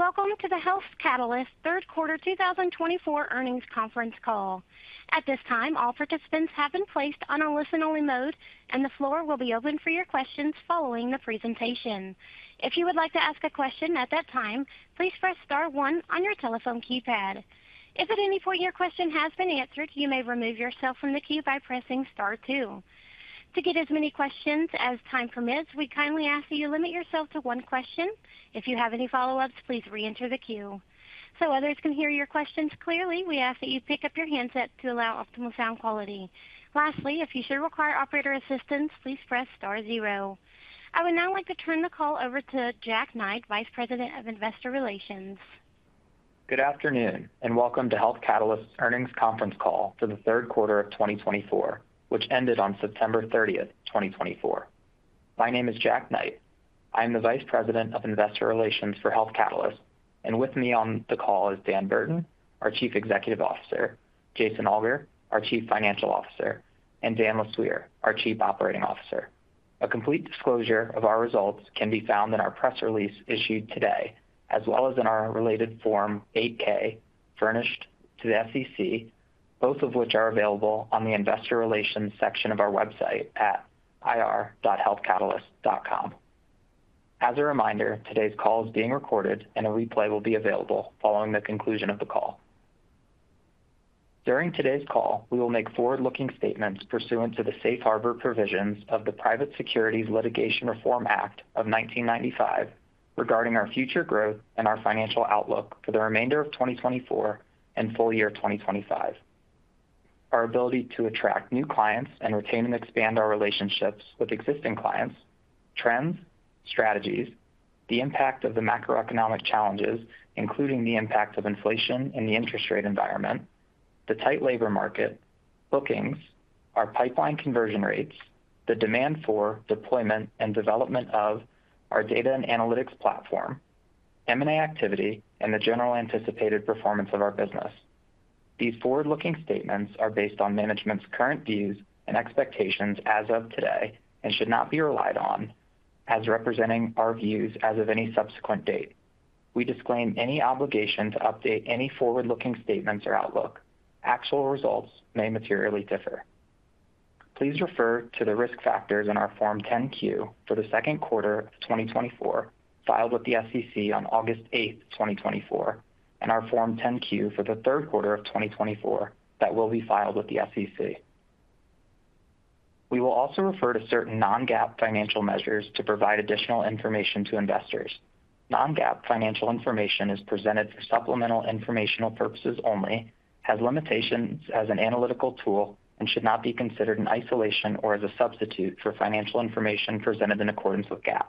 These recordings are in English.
Welcome to the Health Catalyst Q3 2024 Earnings Conference Call. At this time, all participants have been placed on a listen-only mode, and the floor will be open for your questions following the presentation. If you would like to ask a question at that time, please press star one on your telephone keypad. If at any point your question has been answered, you may remove yourself from the queue by pressing star two. To get as many questions as time permits, we kindly ask that you limit yourself to one question. If you have any follow-ups, please re-enter the queue. So others can hear your questions clearly, we ask that you pick up your handset to allow optimal sound quality. Lastly, if you should require operator assistance, please press star zero. I would now like to turn the call over to Jack Knight, Vice President of Investor Relations. Good afternoon, and welcome to Health Catalyst's earnings conference call for the Q3 of 2024, which ended on September 30th, 2024. My name is Jack Knight. I am the Vice President of Investor Relations for Health Catalyst, and with me on the call is Dan Burton, our Chief Executive Officer, Jason Alger, our Chief Financial Officer, and Dan Lesueur, our Chief Operating Officer. A complete disclosure of our results can be found in our press release issued today, as well as in our related Form 8-K furnished to the SEC, both of which are available on the Investor Relations section of our website at ir.healthcatalyst.com. As a reminder, today's call is being recorded, and a replay will be available following the conclusion of the call. During today's call, we will make forward-looking statements pursuant to the safe harbor provisions of the Private Securities Litigation Reform Act of 1995 regarding our future growth and our financial outlook for the remainder of 2024 and full year 2025, our ability to attract new clients and retain and expand our relationships with existing clients, trends, strategies, the impact of the macroeconomic challenges, including the impact of inflation in the interest rate environment, the tight labor market, bookings, our pipeline conversion rates, the demand for deployment and development of our data and analytics platform, M&A activity, and the general anticipated performance of our business. These forward-looking statements are based on management's current views and expectations as of today and should not be relied on as representing our views as of any subsequent date. We disclaim any obligation to update any forward-looking statements or outlook. Actual results may materially differ. Please refer to the risk factors in our Form 10-Q for the Q2 of 2024 filed with the SEC on August 8th, 2024, and our Form 10-Q for the Q3 of 2024 that will be filed with the SEC. We will also refer to certain non-GAAP financial measures to provide additional information to investors. Non-GAAP financial information is presented for supplemental informational purposes only, has limitations as an analytical tool, and should not be considered in isolation or as a substitute for financial information presented in accordance with GAAP.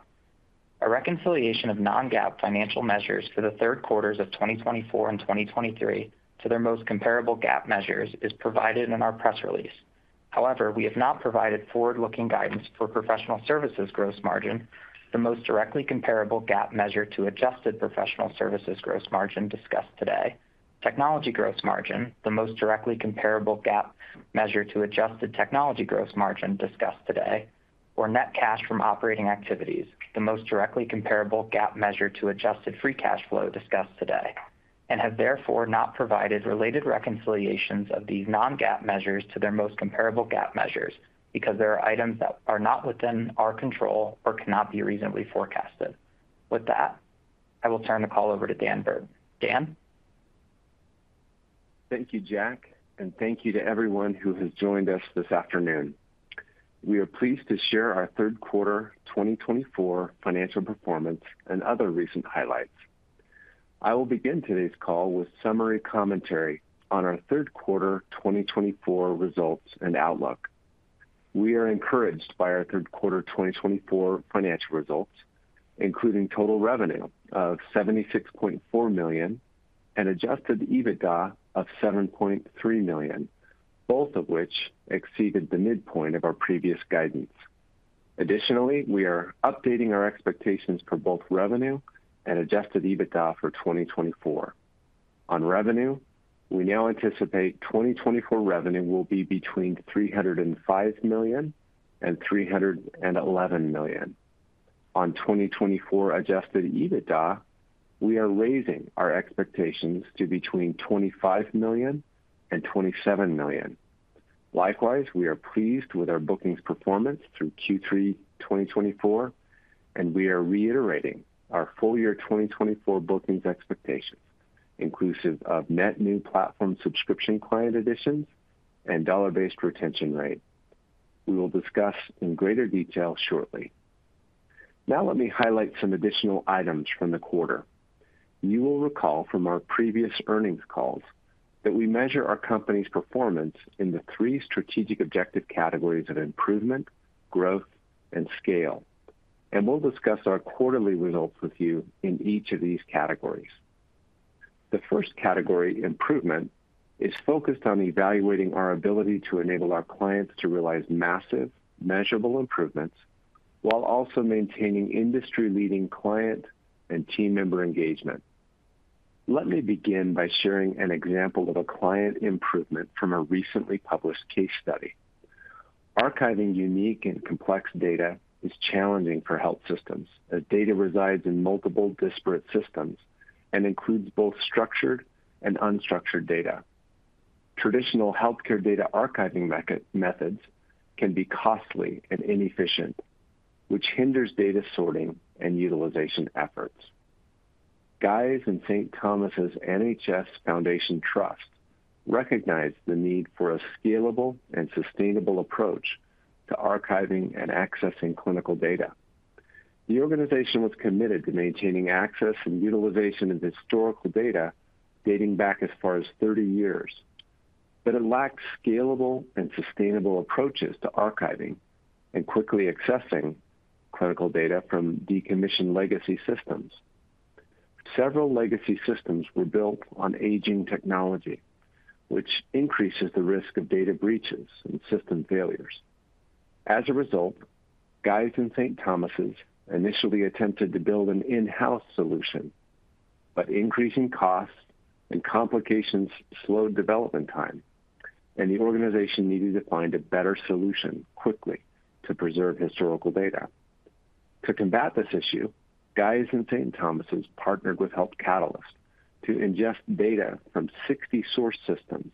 A reconciliation of non-GAAP financial measures for the Q3 of 2024 and 2023 to their most comparable GAAP measures is provided in our press release. However, we have not provided forward-looking guidance for professional services gross margin, the most directly comparable GAAP measure to adjusted professional services gross margin discussed today, technology gross margin, the most directly comparable GAAP measure to adjusted technology gross margin discussed today, or net cash from operating activities, the most directly comparable GAAP measure to adjusted free cash flow discussed today, and have therefore not provided related reconciliations of these non-GAAP measures to their most comparable GAAP measures because there are items that are not within our control or cannot be reasonably forecasted. With that, I will turn the call over to Dan Burton. Dan? Thank you, Jack, and thank you to everyone who has joined us this afternoon. We are pleased to share our Q3 2024 financial performance and other recent highlights. I will begin today's call with summary commentary on our Q3 2024 results and outlook. We are encouraged by our Q3 2024 financial results, including total revenue of $76.4 million and adjusted EBITDA of $7.3 million, both of which exceeded the midpoint of our previous guidance. Additionally, we are updating our expectations for both revenue and adjusted EBITDA for 2024. On revenue, we now anticipate 2024 revenue will be between $305 and $311 million. On 2024 adjusted EBITDA, we are raising our expectations to between $25 million and $27 million. Likewise, we are pleased with our bookings performance through Q3 2024, and we are reiterating our full year 2024 bookings expectations, inclusive of net new platform subscription client additions and dollar-based retention rate. We will discuss in greater detail shortly. Now, let me highlight some additional items from the quarter. You will recall from our previous earnings calls that we measure our company's performance in the three strategic objective categories of improvement, growth, and scale, and we'll discuss our quarterly results with you in each of these categories. The first category, improvement, is focused on evaluating our ability to enable our clients to realize massive, measurable improvements while also maintaining industry-leading client and team member engagement. Let me begin by sharing an example of a client improvement from a recently published case study. Archiving unique and complex data is challenging for health systems as data resides in multiple disparate systems and includes both structured and unstructured data. Traditional healthcare data archiving methods can be costly and inefficient, which hinders data sorting and utilization efforts. Guy's and St. Thomas' NHS Foundation Trust recognized the need for a scalable and sustainable approach to archiving and accessing clinical data. The organization was committed to maintaining access and utilization of historical data dating back as far as 30 years, but it lacked scalable and sustainable approaches to archiving and quickly accessing clinical data from decommissioned legacy systems. Several legacy systems were built on aging technology, which increases the risk of data breaches and system failures. As a result, Guy's and St. Thomas' initially attempted to build an in-house solution, but increasing costs and complications slowed development time, and the organization needed to find a better solution quickly to preserve historical data. To combat this issue, Guy's and St. Thomas' partnered with Health Catalyst to ingest data from 60 source systems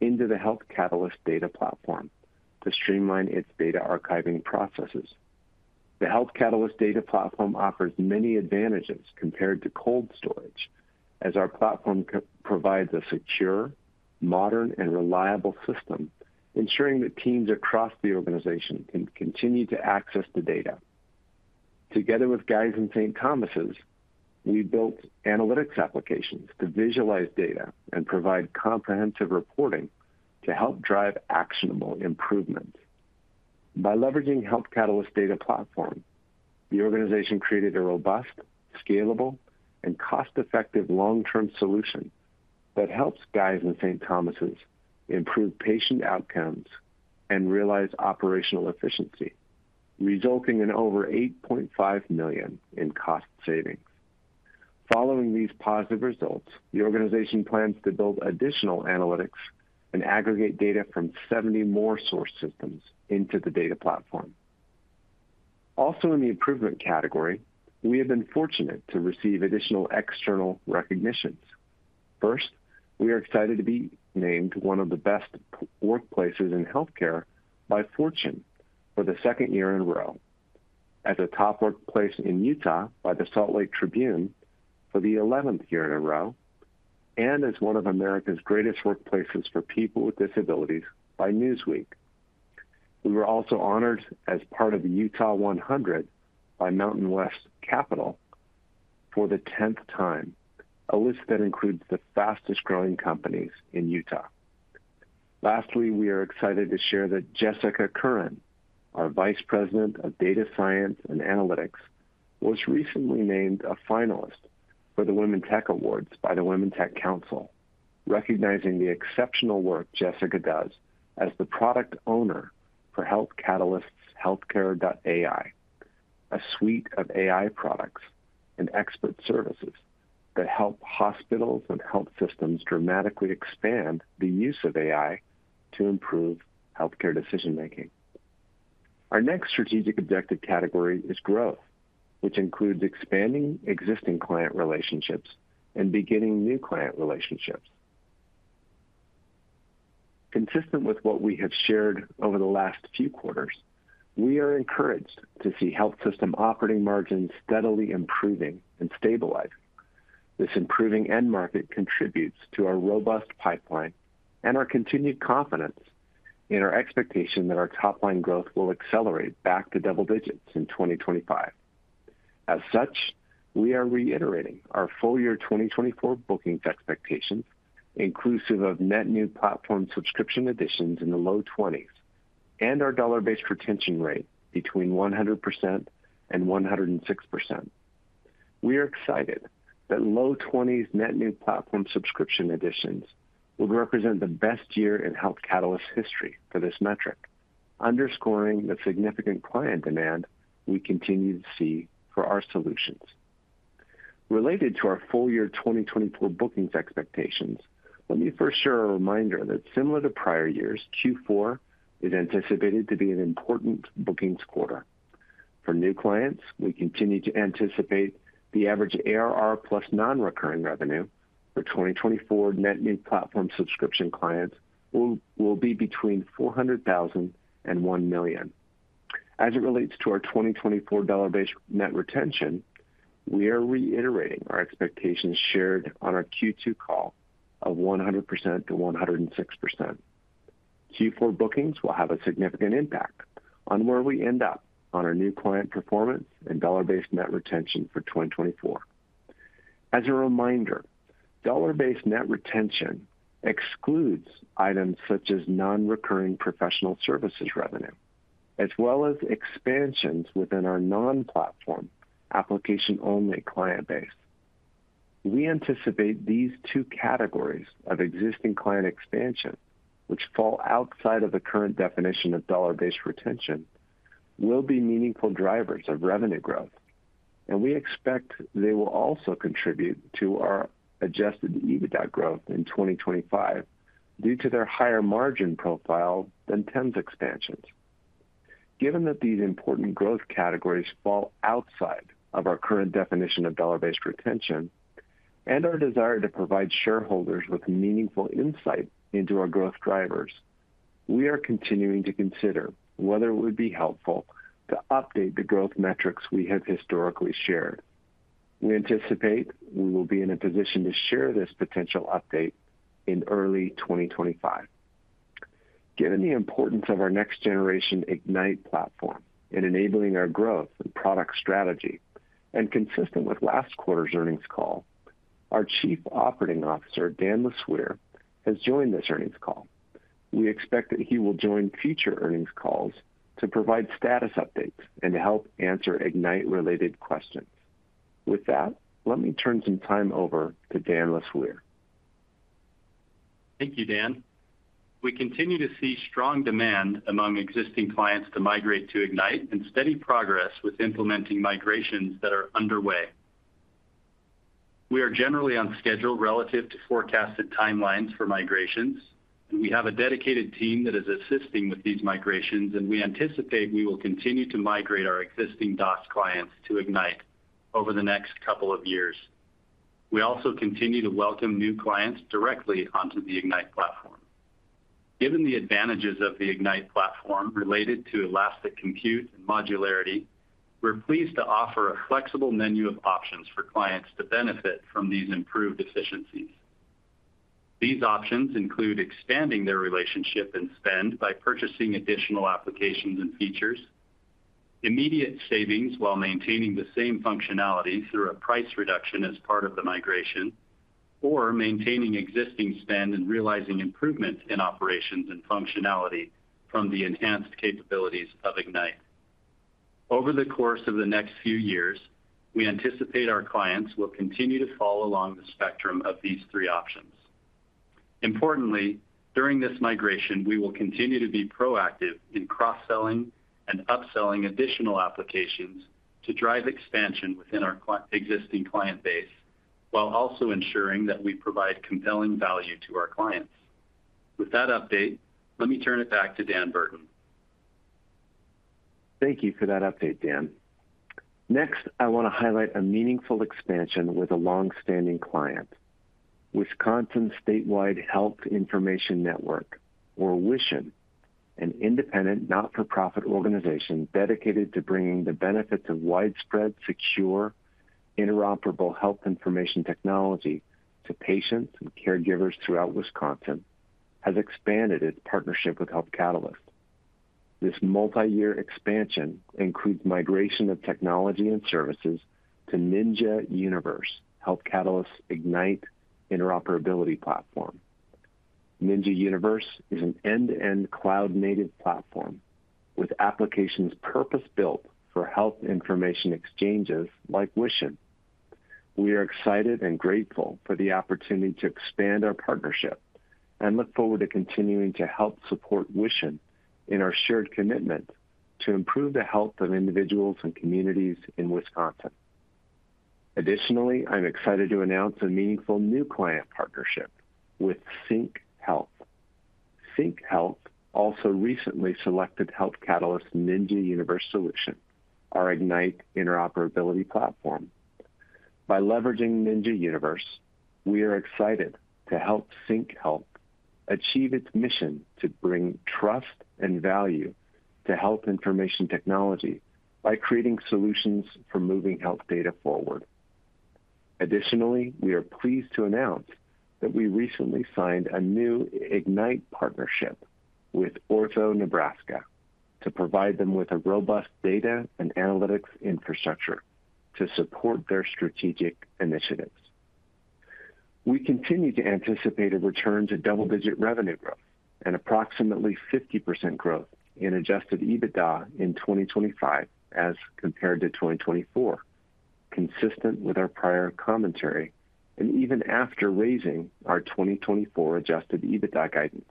into the Health Catalyst Data Platform to streamline its data archiving processes. The Health Catalyst Data Platform offers many advantages compared to cold storage, as our platform provides a secure, modern, and reliable system, ensuring that teams across the organization can continue to access the data. Together with Guy's and St. Thomas', we built analytics applications to visualize data and provide comprehensive reporting to help drive actionable improvements. By leveraging Health Catalyst Data Platform, the organization created a robust, scalable, and cost-effective long-term solution that helps Guy's and St. Thomas's improve patient outcomes and realize operational efficiency, resulting in over $8.5 million in cost savings. Following these positive results, the organization plans to build additional analytics and aggregate data from 70 more source systems into the data platform. Also, in the improvement category, we have been fortunate to receive additional external recognitions. First, we are excited to be named one of the best workplaces in healthcare by Fortune for the second year in a row, as a top workplace in Utah by the Salt Lake Tribune for the 11th year in a row, and as one of America's greatest workplaces for people with disabilities by Newsweek. We were also honored as part of the Utah 100 by MountainWest Capital Network for the 10th time, a list that includes the fastest-growing companies in Utah. Lastly, we are excited to share that Jessica Curran, our Vice President of Data Science and Analytics, was recently named a finalist for the Women Tech Awards by the Women Tech Council, recognizing the exceptional work Jessica does as the product owner for Health Catalyst's Healthcare.ai, a suite of AI products and expert services that help hospitals and health systems dramatically expand the use of AI to improve healthcare decision-making. Our next strategic objective category is growth, which includes expanding existing client relationships and beginning new client relationships. Consistent with what we have shared over the last few quarters, we are encouraged to see health system operating margins steadily improving and stabilizing. This improving end market contributes to our robust pipeline and our continued confidence in our expectation that our top-line growth will accelerate back to double digits in 2025. As such, we are reiterating our full year 2024 bookings expectations, inclusive of net new platform subscription additions in the low 20s and our dollar-based retention rate between 100% and 106%. We are excited that low 20s net new platform subscription additions would represent the best year in Health Catalyst's history for this metric, underscoring the significant client demand we continue to see for our solutions. Related to our full year 2024 bookings expectations, let me first share a reminder that similar to prior years, Q4 is anticipated to be an important bookings quarter. For new clients, we continue to anticipate the average ARR plus non-recurring revenue for 2024 net new platform subscription clients will be between $400,000 and $1 million. As it relates to our 2024 dollar-based net retention, we are reiterating our expectations shared on our Q2 call of 100% to 106%. Q4 bookings will have a significant impact on where we end up on our new client performance and dollar-based net retention for 2024. As a reminder, dollar-based net retention excludes items such as non-recurring professional services revenue, as well as expansions within our non-platform application-only client base. We anticipate these two categories of existing client expansion, which fall outside of the current definition of dollar-based retention, will be meaningful drivers of revenue growth, and we expect they will also contribute to our Adjusted EBITDA growth in 2025 due to their higher margin profile than TEMS expansions. Given that these important growth categories fall outside of our current definition of dollar-based retention and our desire to provide shareholders with meaningful insight into our growth drivers, we are continuing to consider whether it would be helpful to update the growth metrics we have historically shared. We anticipate we will be in a position to share this potential update in early 2025. Given the importance of our next-generation Ignite platform in enabling our growth and product strategy, and consistent with last quarter's earnings call, our Chief Operating Officer, Dan Lesueur, has joined this earnings call. We expect that he will join future earnings calls to provide status updates and to help answer Ignite-related questions. With that, let me turn some time over to Dan Lesueur. Thank you, Dan. We continue to see strong demand among existing clients to migrate to Ignite and steady progress with implementing migrations that are underway. We are generally on schedule relative to forecasted timelines for migrations, and we have a dedicated team that is assisting with these migrations, and we anticipate we will continue to migrate our existing DOS clients to Ignite over the next couple of years. We also continue to welcome new clients directly onto the Ignite platform. Given the advantages of the Ignite platform related to elastic compute and modularity, we're pleased to offer a flexible menu of options for clients to benefit from these improved efficiencies. These options include expanding their relationship and spend by purchasing additional applications and features, immediate savings while maintaining the same functionality through a price reduction as part of the migration, or maintaining existing spend and realizing improvement in operations and functionality from the enhanced capabilities of Ignite. Over the course of the next few years, we anticipate our clients will continue to fall along the spectrum of these three options. Importantly, during this migration, we will continue to be proactive in cross-selling and upselling additional applications to drive expansion within our existing client base while also ensuring that we provide compelling value to our clients. With that update, let me turn it back to Dan Burton. Thank you for that update, Dan. Next, I want to highlight a meaningful expansion with a longstanding client, Wisconsin Statewide Health Information Network, or WISHIN, an independent not-for-profit organization dedicated to bringing the benefits of widespread, secure, interoperable health information technology to patients and caregivers throughout Wisconsin, has expanded its partnership with Health Catalyst. This multi-year expansion includes migration of technology and services to Ninja Universe, Health Catalyst's Ignite interoperability platform. Ninja Universe is an end-to-end cloud-native platform with applications purpose-built for health information exchanges like WISHIN. We are excited and grateful for the opportunity to expand our partnership and look forward to continuing to help support WISHIN in our shared commitment to improve the health of individuals and communities in Wisconsin. Additionally, I'm excited to announce a meaningful new client partnership with CyncHealth. CyncHealth also recently selected Health Catalyst's Ninja Universe solution, our Ignite interoperability platform. By leveraging Ninja Universe, we are excited to help CyncHealth achieve its mission to bring trust and value to health information technology by creating solutions for moving health data forward. Additionally, we are pleased to announce that we recently signed a new Ignite partnership with OrthoNebraska to provide them with a robust data and analytics infrastructure to support their strategic initiatives. We continue to anticipate a return to double-digit revenue growth and approximately 50% growth in adjusted EBITDA in 2025 as compared to 2024, consistent with our prior commentary and even after raising our 2024 adjusted EBITDA guidance.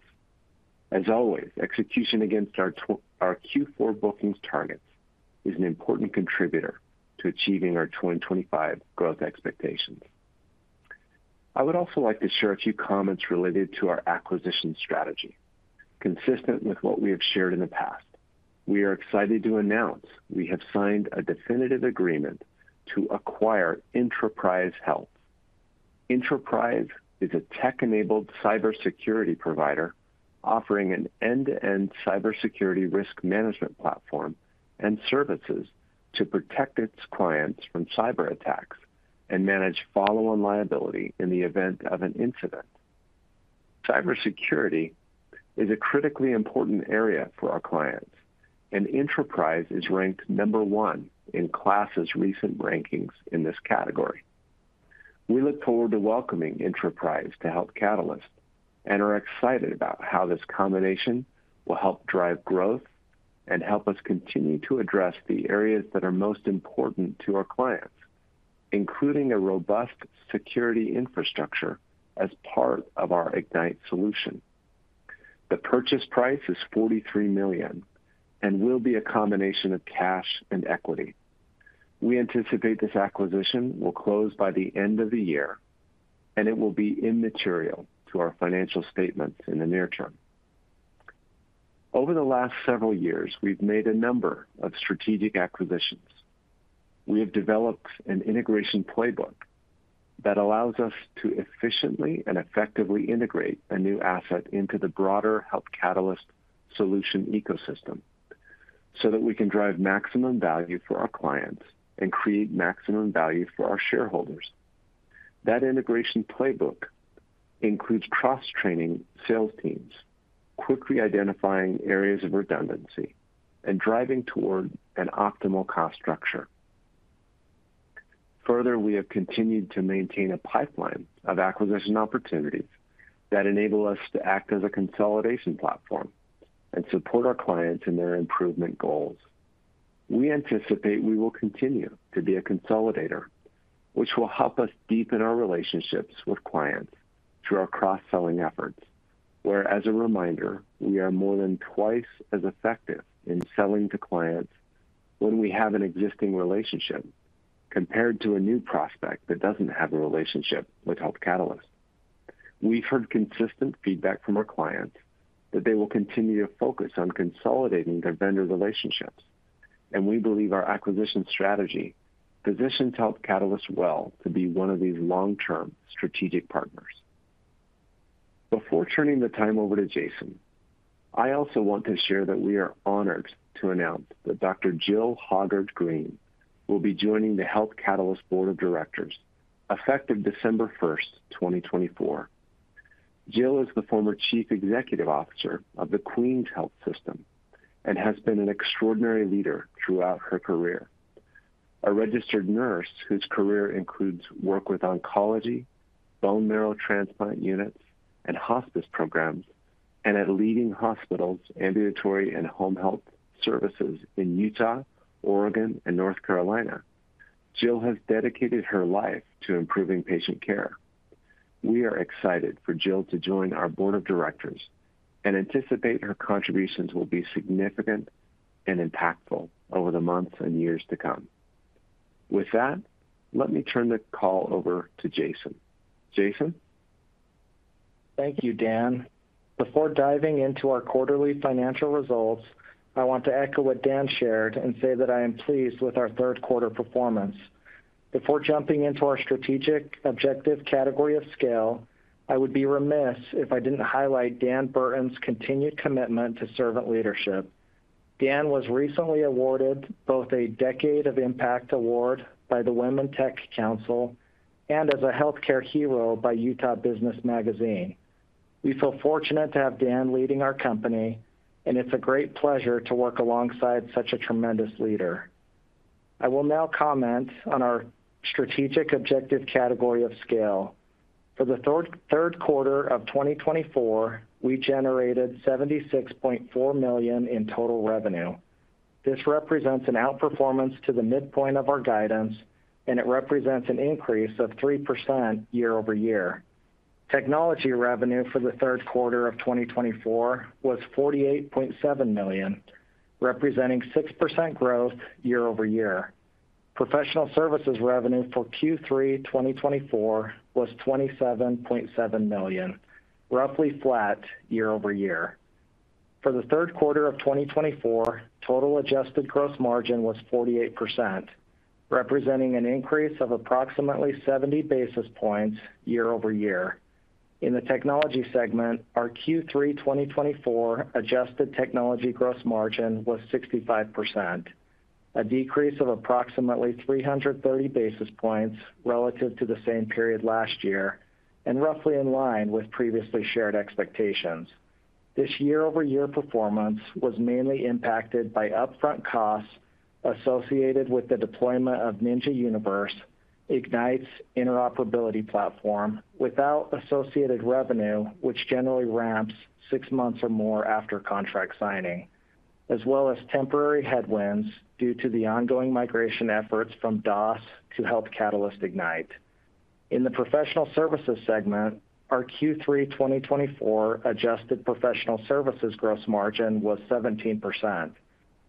As always, execution against our Q4 bookings targets is an important contributor to achieving our 2025 growth expectations. I would also like to share a few comments related to our acquisition strategy. Consistent with what we have shared in the past, we are excited to announce we have signed a definitive agreement to acquire Clearwater. Clearwater is a tech-enabled cybersecurity provider offering an end-to-end cybersecurity risk management platform and services to protect its clients from cyberattacks and manage follow-on liability in the event of an incident. Cybersecurity is a critically important area for our clients, and Clearwater is ranked number one in KLAS's recent rankings in this category. We look forward to welcoming Clearwater to Health Catalyst and are excited about how this combination will help drive growth and help us continue to address the areas that are most important to our clients, including a robust security infrastructure as part of our Ignite solution. The purchase price is $43 million and will be a combination of cash and equity. We anticipate this acquisition will close by the end of the year, and it will be immaterial to our financial statements in the near term. Over the last several years, we've made a number of strategic acquisitions. We have developed an integration playbook that allows us to efficiently and effectively integrate a new asset into the broader Health Catalyst solution ecosystem so that we can drive maximum value for our clients and create maximum value for our shareholders. That integration playbook includes cross-training sales teams, quickly identifying areas of redundancy, and driving toward an optimal cost structure. Further, we have continued to maintain a pipeline of acquisition opportunities that enable us to act as a consolidation platform and support our clients in their improvement goals. We anticipate we will continue to be a consolidator, which will help us deepen our relationships with clients through our cross-selling efforts, where, as a reminder, we are more than twice as effective in selling to clients when we have an existing relationship compared to a new prospect that doesn't have a relationship with Health Catalyst. We've heard consistent feedback from our clients that they will continue to focus on consolidating their vendor relationships, and we believe our acquisition strategy positions Health Catalyst well to be one of these long-term strategic partners. Before turning the time over to Jason, I also want to share that we are honored to announce that Dr. Jill Hoggard-Green will be joining the Health Catalyst Board of Directors effective December 1, 2024. Jill is the former Chief Executive Officer of The Queen's Health Systems and has been an extraordinary leader throughout her career. A registered nurse whose career includes work with oncology, bone marrow transplant units, and hospice programs, and at leading hospitals, ambulatory, and home health services in Utah, Oregon, and North Carolina, Jill has dedicated her life to improving patient care. We are excited for Jill to join our Board of Directors and anticipate her contributions will be significant and impactful over the months and years to come. With that, let me turn the call over to Jason. Jason. Thank you, Dan. Before diving into our quarterly financial results, I want to echo what Dan shared and say that I am pleased with our Q3 performance. Before jumping into our strategic objective category of scale, I would be remiss if I didn't highlight Dan Burton's continued commitment to servant leadership. Dan was recently awarded both a Decade of Impact Award by the Women Tech Council and as a Healthcare Hero by Utah Business Magazine. We feel fortunate to have Dan leading our company, and it's a great pleasure to work alongside such a tremendous leader. I will now comment on our strategic objective category of scale. For the Q3 of 2024, we generated $76.4 million in total revenue. This represents an outperformance to the midpoint of our guidance, and it represents an increase of 3% year over year. Technology revenue for the Q3 of 2024 was $48.7 million, representing 6% growth year over year. Professional services revenue for Q3 2024 was $27.7 million, roughly flat year over year. For the Q3 of 2024, total adjusted gross margin was 48%, representing an increase of approximately 70 basis points year over year. In the technology segment, our Q3 2024 adjusted technology gross margin was 65%, a decrease of approximately 330 basis points relative to the same period last year, and roughly in line with previously shared expectations. This year-over-year performance was mainly impacted by upfront costs associated with the deployment of Ninja Universe, Ignite's interoperability platform, without associated revenue, which generally ramps six months or more after contract signing, as well as temporary headwinds due to the ongoing migration efforts from DOS to Health Catalyst Ignite. In the professional services segment, our Q3 2024 adjusted professional services gross margin was 17%,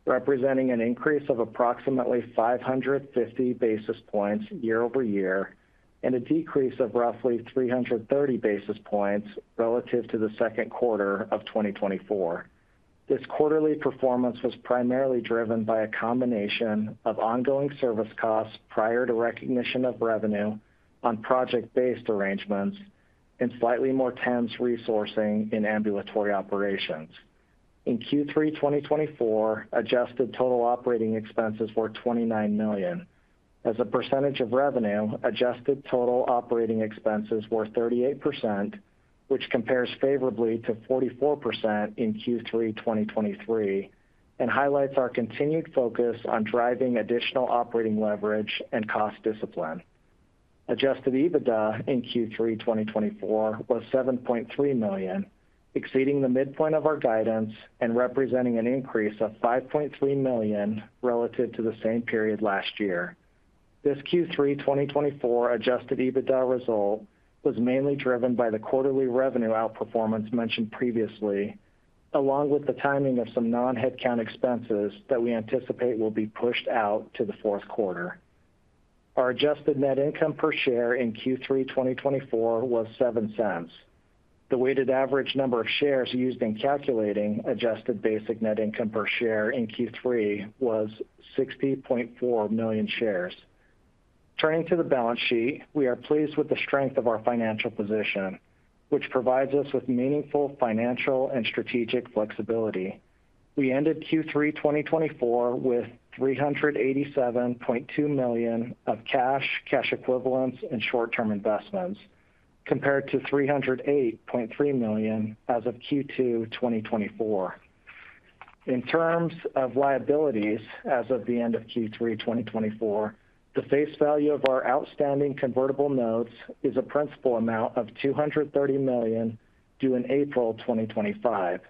representing an increase of approximately 550 basis points year over year and a decrease of roughly 330 basis points relative to the Q2 of 2024. This quarterly performance was primarily driven by a combination of ongoing service costs prior to recognition of revenue on project-based arrangements and slightly more intense resourcing in ambulatory operations. In Q3 2024, adjusted total operating expenses were $29 million. As a percentage of revenue, adjusted total operating expenses were 38%, which compares favorably to 44% in Q3 2023 and highlights our continued focus on driving additional operating leverage and cost discipline. Adjusted EBITDA in Q3 2024 was $7.3 million, exceeding the midpoint of our guidance and representing an increase of $5.3 million relative to the same period last year. This Q3 2024 adjusted EBITDA result was mainly driven by the quarterly revenue outperformance mentioned previously, along with the timing of some non-headcount expenses that we anticipate will be pushed out to the Q4. Our adjusted net income per share in Q3 2024 was $0.07. The weighted average number of shares used in calculating adjusted basic net income per share in Q3 was 60.4 million shares. Turning to the balance sheet, we are pleased with the strength of our financial position, which provides us with meaningful financial and strategic flexibility. We ended Q3 2024 with $387.2 million of cash, cash equivalents, and short-term investments, compared to $308.3 million as of Q2 2024. In terms of liabilities as of the end of Q3 2024, the face value of our outstanding convertible notes is a principal amount of $230 million due in April 2025,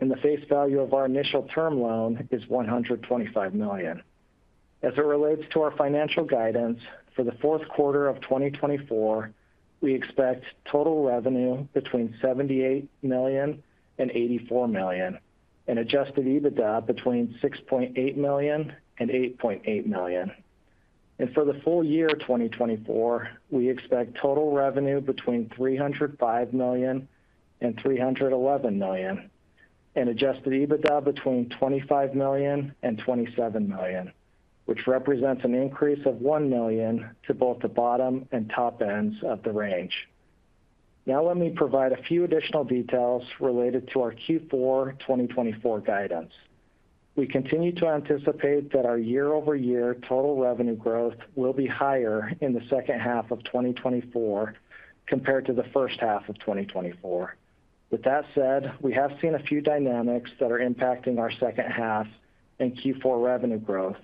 and the face value of our initial term loan is $125 million. As it relates to our financial guidance for the Q4 of 2024, we expect total revenue between $78 million and $84 million, and Adjusted EBITDA between $6.8 million and $8.8 million. And for the full year 2024, we expect total revenue between $305 million and $311 million, and Adjusted EBITDA between $25 million and $27 million, which represents an increase of $1 million to both the bottom and top ends of the range. Now, let me provide a few additional details related to our Q4 2024 guidance. We continue to anticipate that our year-over-year total revenue growth will be higher in the second half of 2024 compared to the first half of 2024. With that said, we have seen a few dynamics that are impacting our second half and Q4 revenue growth,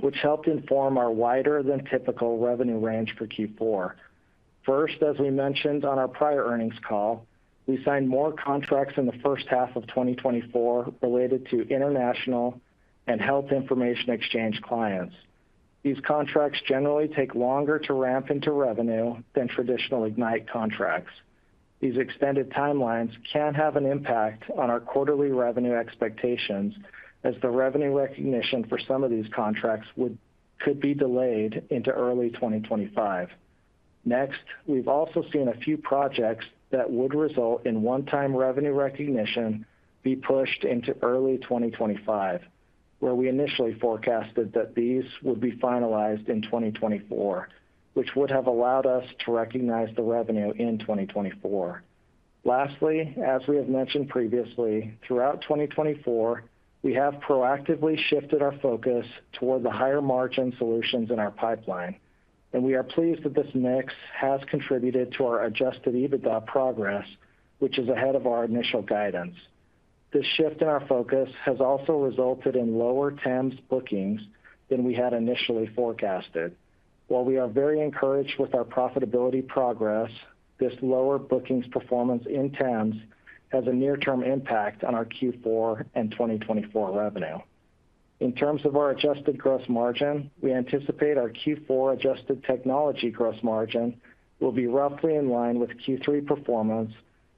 which helped inform our wider-than-typical revenue range for Q4. First, as we mentioned on our prior earnings call, we signed more contracts in the first half of 2024 related to international and health information exchange clients. These contracts generally take longer to ramp into revenue than traditional Ignite contracts. These extended timelines can have an impact on our quarterly revenue expectations as the revenue recognition for some of these contracts could be delayed into early 2025. Next, we've also seen a few projects that would result in one-time revenue recognition be pushed into early 2025, where we initially forecasted that these would be finalized in 2024, which would have allowed us to recognize the revenue in 2024. Lastly, as we have mentioned previously, throughout 2024, we have proactively shifted our focus toward the higher-margin solutions in our pipeline, and we are pleased that this mix has contributed to our Adjusted EBITDA progress, which is ahead of our initial guidance. This shift in our focus has also resulted in lower TEMS bookings than we had initially forecasted. While we are very encouraged with our profitability progress, this lower bookings performance in TEMS has a near-term impact on our Q4 and 2024 revenue. In terms of our adjusted gross margin, we anticipate our Q4 adjusted technology gross margin will be roughly in line with Q3 performance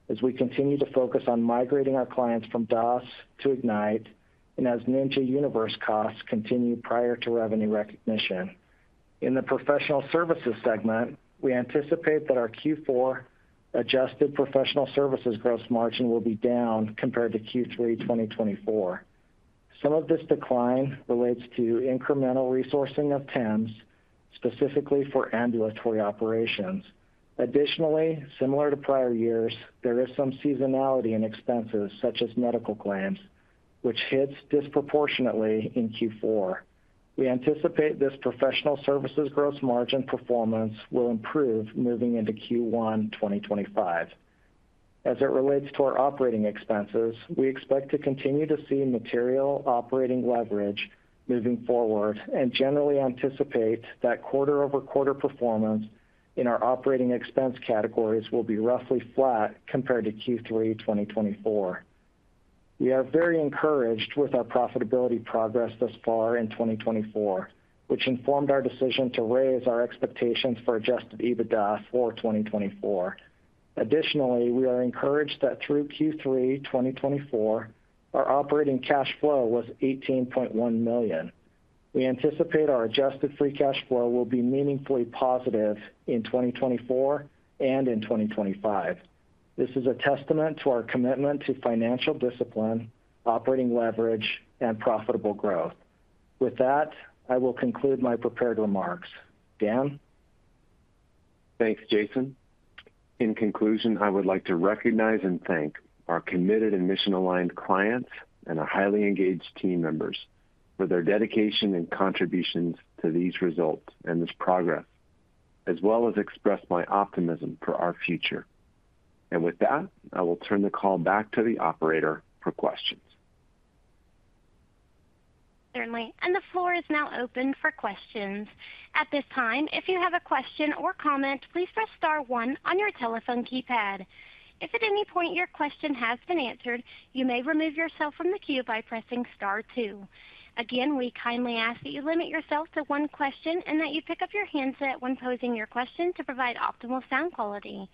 as we continue to focus on migrating our clients from DOS to Ignite and as Ninja Universe costs continue prior to revenue recognition. In the professional services segment, we anticipate that our Q4 adjusted professional services gross margin will be down compared to Q3 2024. Some of this decline relates to incremental resourcing of TEMS, specifically for ambulatory operations. Additionally, similar to prior years, there is some seasonality in expenses such as medical claims, which hits disproportionately in Q4. We anticipate this professional services gross margin performance will improve moving into Q1 2025. As it relates to our operating expenses, we expect to continue to see material operating leverage moving forward and generally anticipate that quarter-over-quarter performance in our operating expense categories will be roughly flat compared to Q3 2024. We are very encouraged with our profitability progress thus far in 2024, which informed our decision to raise our expectations for Adjusted EBITDA for 2024. Additionally, we are encouraged that through Q3 2024, our operating cash flow was $18.1 million. We anticipate our Adjusted Free Cash Flow will be meaningfully positive in 2024 and in 2025. This is a testament to our commitment to financial discipline, operating leverage, and profitable growth. With that, I will conclude my prepared remarks. Dan? Thanks, Jason. In conclusion, I would like to recognize and thank our committed and mission-aligned clients and our highly engaged team members for their dedication and contributions to these results and this progress, as well as express my optimism for our future. And with that, I will turn the call back to the operator for questions. Certainly. And the floor is now open for questions. At this time, if you have a question or comment, please press star one on your telephone keypad. If at any point your question has been answered, you may remove yourself from the queue by pressing star two. Again, we kindly ask that you limit yourself to one question and that you pick up your handset when posing your question to provide optimal sound quality.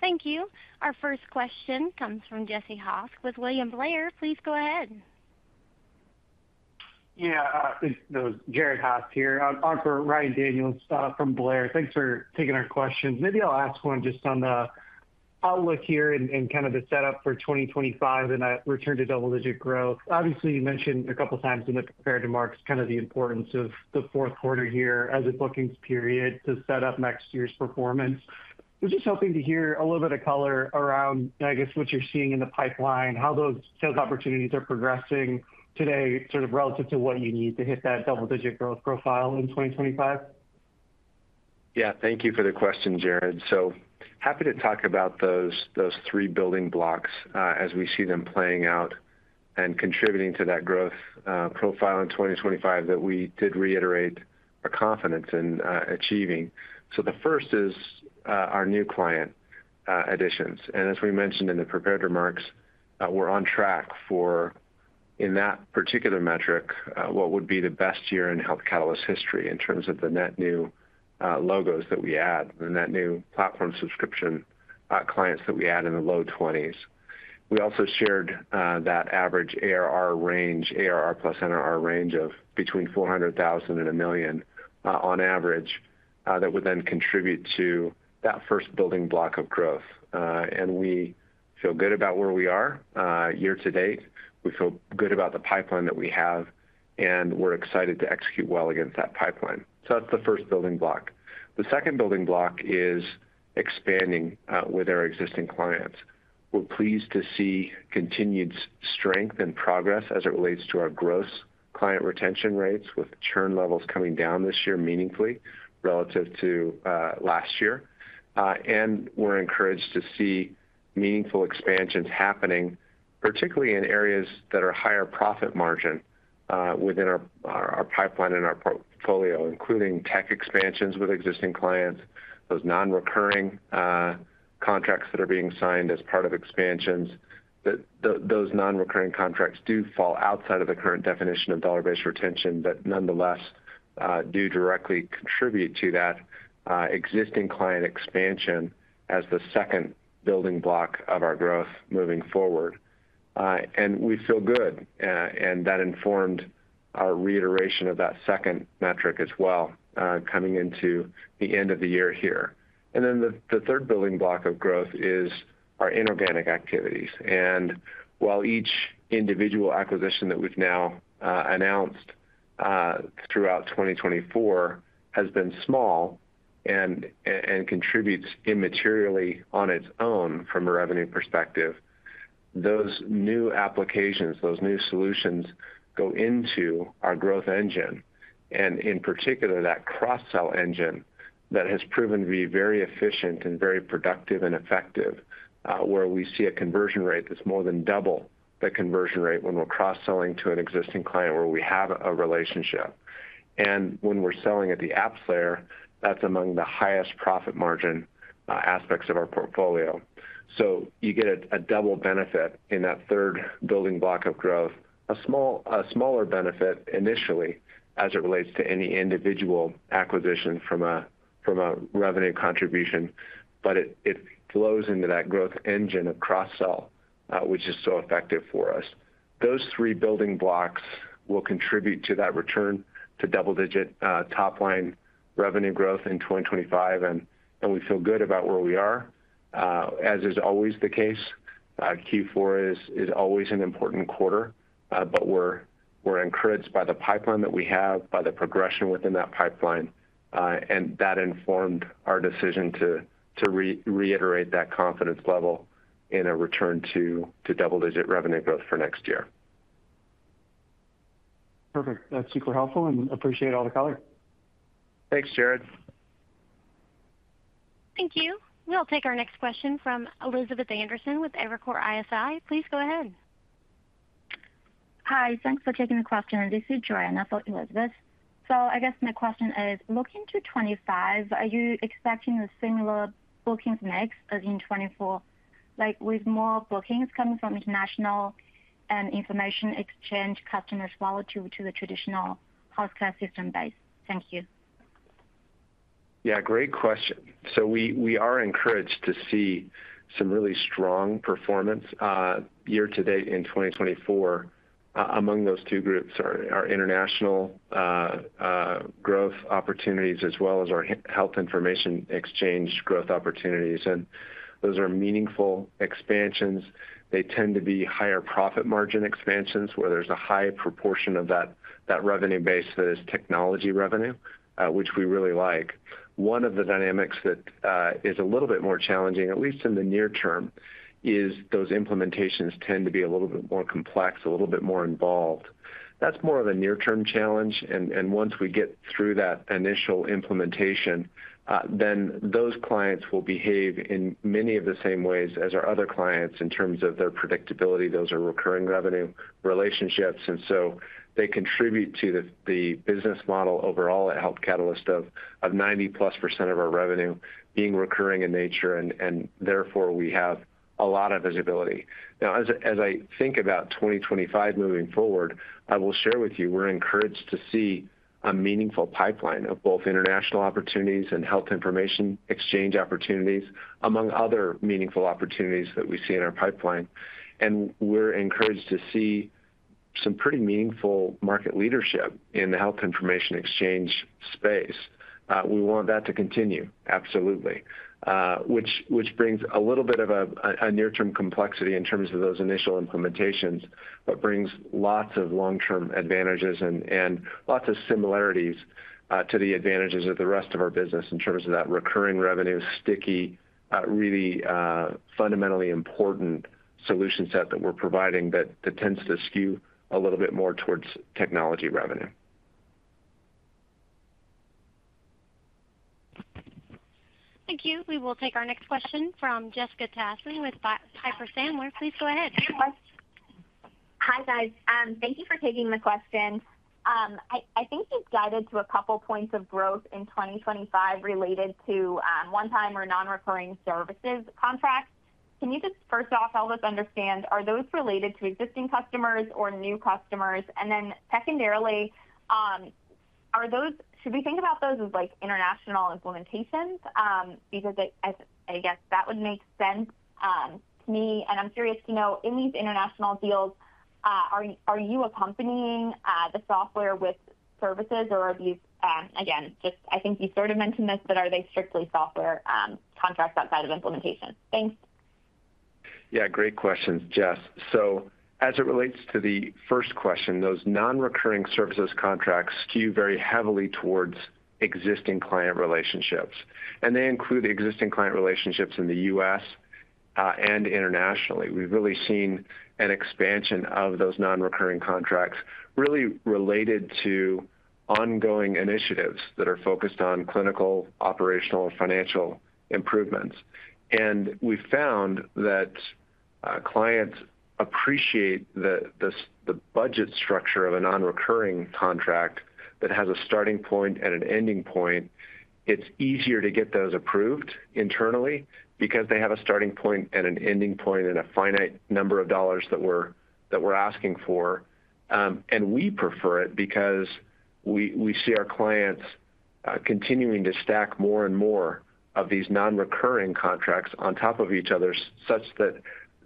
Thank you. Our first question comes from Jared Haest with William Blair. Please go ahead. Yeah, I think Jared Haest here. I'm for Ryan Daniels from Blair. Thanks for taking our questions. Maybe I'll ask one just on the outlook here and kind of the setup for 2025 and that return to double-digit growth. Obviously, you mentioned a couple of times in the prepared remarks kind of the importance of the Q4 year as a bookings period to set up next year's performance. We're just hoping to hear a little bit of color around, I guess, what you're seeing in the pipeline, how those sales opportunities are progressing today sort of relative to what you need to hit that double-digit growth profile in 2025. Yeah, thank you for the question, Jared. So happy to talk about those three building blocks as we see them playing out and contributing to that growth profile in 2025 that we did reiterate our confidence in achieving. So the first is our new client additions. And as we mentioned in the prepared remarks, we're on track for, in that particular metric, what would be the best year in Health Catalyst history in terms of the net new logos that we add, the net new platform subscription clients that we add in the low 20s. We also shared that average ARR range, ARR plus NRR range of between $400,000 and $1 million on average that would then contribute to that first building block of growth. And we feel good about where we are year to date. We feel good about the pipeline that we have, and we're excited to execute well against that pipeline. So that's the first building block. The second building block is expanding with our existing clients. We're pleased to see continued strength and progress as it relates to our gross client retention rates, with churn levels coming down this year meaningfully relative to last year. And we're encouraged to see meaningful expansions happening, particularly in areas that are higher profit margin within our pipeline and our portfolio, including tech expansions with existing clients, those non-recurring contracts that are being signed as part of expansions. Those non-recurring contracts do fall outside of the current definition of dollar-based retention, but nonetheless do directly contribute to that existing client expansion as the second building block of our growth moving forward. And we feel good, and that informed our reiteration of that second metric as well coming into the end of the year here. And then the third building block of growth is our inorganic activities. And while each individual acquisition that we've now announced throughout 2024 has been small and contributes immaterially on its own from a revenue perspective, those new applications, those new solutions go into our growth engine, and in particular, that cross-sell engine that has proven to be very efficient and very productive and effective, where we see a conversion rate that's more than double the conversion rate when we're cross-selling to an existing client where we have a relationship. And when we're selling at the app layer, that's among the highest profit margin aspects of our portfolio. So you get a double benefit in that third building block of growth, a smaller benefit initially as it relates to any individual acquisition from a revenue contribution, but it flows into that growth engine of cross-sell, which is so effective for us. Those three building blocks will contribute to that return to double-digit top-line revenue growth in 2025, and we feel good about where we are, as is always the case. Q4 is always an important quarter, but we're encouraged by the pipeline that we have, by the progression within that pipeline, and that informed our decision to reiterate that confidence level in a return to double-digit revenue growth for next year. Perfect. That's super helpful, and appreciate all the color. Thanks, Jared. Thank you. We'll take our next question from Elizabeth Anderson with Evercore ISI. Please go ahead. Hi, thanks for taking the question. This is Joy and I'm for Elizabeth. So I guess my question is, looking to 2025, are you expecting a similar bookings mix as in 2024, like with more bookings coming from international and information exchange customers relative to the traditional healthcare system base? Thank you. Yeah, great question. So we are encouraged to see some really strong performance year to date in 2024 among those two groups, our international growth opportunities as well as our health information exchange growth opportunities. And those are meaningful expansions. They tend to be higher profit margin expansions where there's a high proportion of that revenue base that is technology revenue, which we really like. One of the dynamics that is a little bit more challenging, at least in the near term, is those implementations tend to be a little bit more complex, a little bit more involved. That's more of a near-term challenge. And once we get through that initial implementation, then those clients will behave in many of the same ways as our other clients in terms of their predictability. Those are recurring revenue relationships, and so they contribute to the business model overall at Health Catalyst of 90-plus% of our revenue being recurring in nature, and therefore we have a lot of visibility. Now, as I think about 2025 moving forward, I will share with you, we're encouraged to see a meaningful pipeline of both international opportunities and health information exchange opportunities, among other meaningful opportunities that we see in our pipeline, and we're encouraged to see some pretty meaningful market leadership in the health information exchange space. We want that to continue, absolutely, which brings a little bit of a near-term complexity in terms of those initial implementations, but brings lots of long-term advantages and lots of similarities to the advantages of the rest of our business in terms of that recurring revenue, sticky, really fundamentally important solution set that we're providing that tends to skew a little bit more towards technology revenue. Thank you. We will take our next question from Jessica Tassan with Piper Sandler. Please go ahead. Hi, guys. Thank you for taking the question. I think you've guided to a couple of points of growth in 2025 related to one-time or non-recurring services contracts. Can you just first off help us understand, are those related to existing customers or new customers? And then secondarily, should we think about those as international implementations? Because I guess that would make sense to me. And I'm curious to know, in these international deals, are you accompanying the software with services, or are these, again, just I think you sort of mentioned this, but are they strictly software contracts outside of implementation? Thanks. Yeah, great questions, Jess. So as it relates to the first question, those non-recurring services contracts skew very heavily towards existing client relationships. And they include existing client relationships in the U.S. and internationally. We've really seen an expansion of those non-recurring contracts really related to ongoing initiatives that are focused on clinical, operational, and financial improvements. And we found that clients appreciate the budget structure of a non-recurring contract that has a starting point and an ending point. It's easier to get those approved internally because they have a starting point and an ending point and a finite number of dollars that we're asking for. And we prefer it because we see our clients continuing to stack more and more of these non-recurring contracts on top of each other such that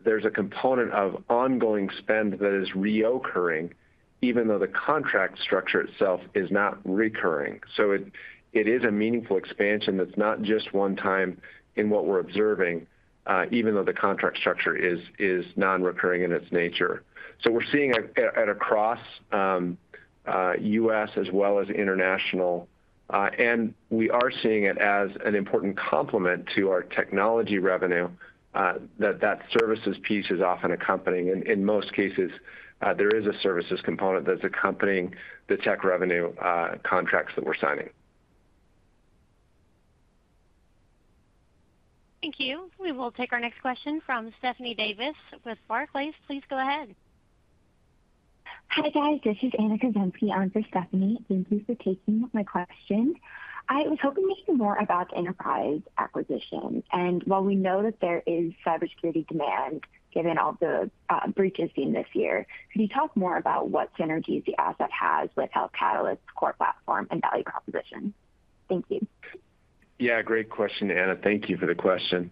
there's a component of ongoing spend that is recurring, even though the contract structure itself is not recurring. So it is a meaningful expansion that's not just one time in what we're observing, even though the contract structure is non-recurring in its nature. So we're seeing it across U.S. as well as international. And we are seeing it as an important complement to our technology revenue that the services piece is often accompanying. In most cases, there is a services component that's accompanying the tech revenue contracts that we're signing. Thank you. We will take our next question from Stephanie Davis with Barclays. Please go ahead. Hi, guys. This is Anna Kuzmeski on for Stephanie. Thank you for taking my question. I was hoping to hear more about the enterprise acquisition. And while we know that there is cybersecurity demand given all the breaches seen this year, could you talk more about what synergies the asset has with Health Catalyst's core platform and value proposition? Thank you. Yeah, great question, Anna. Thank you for the question.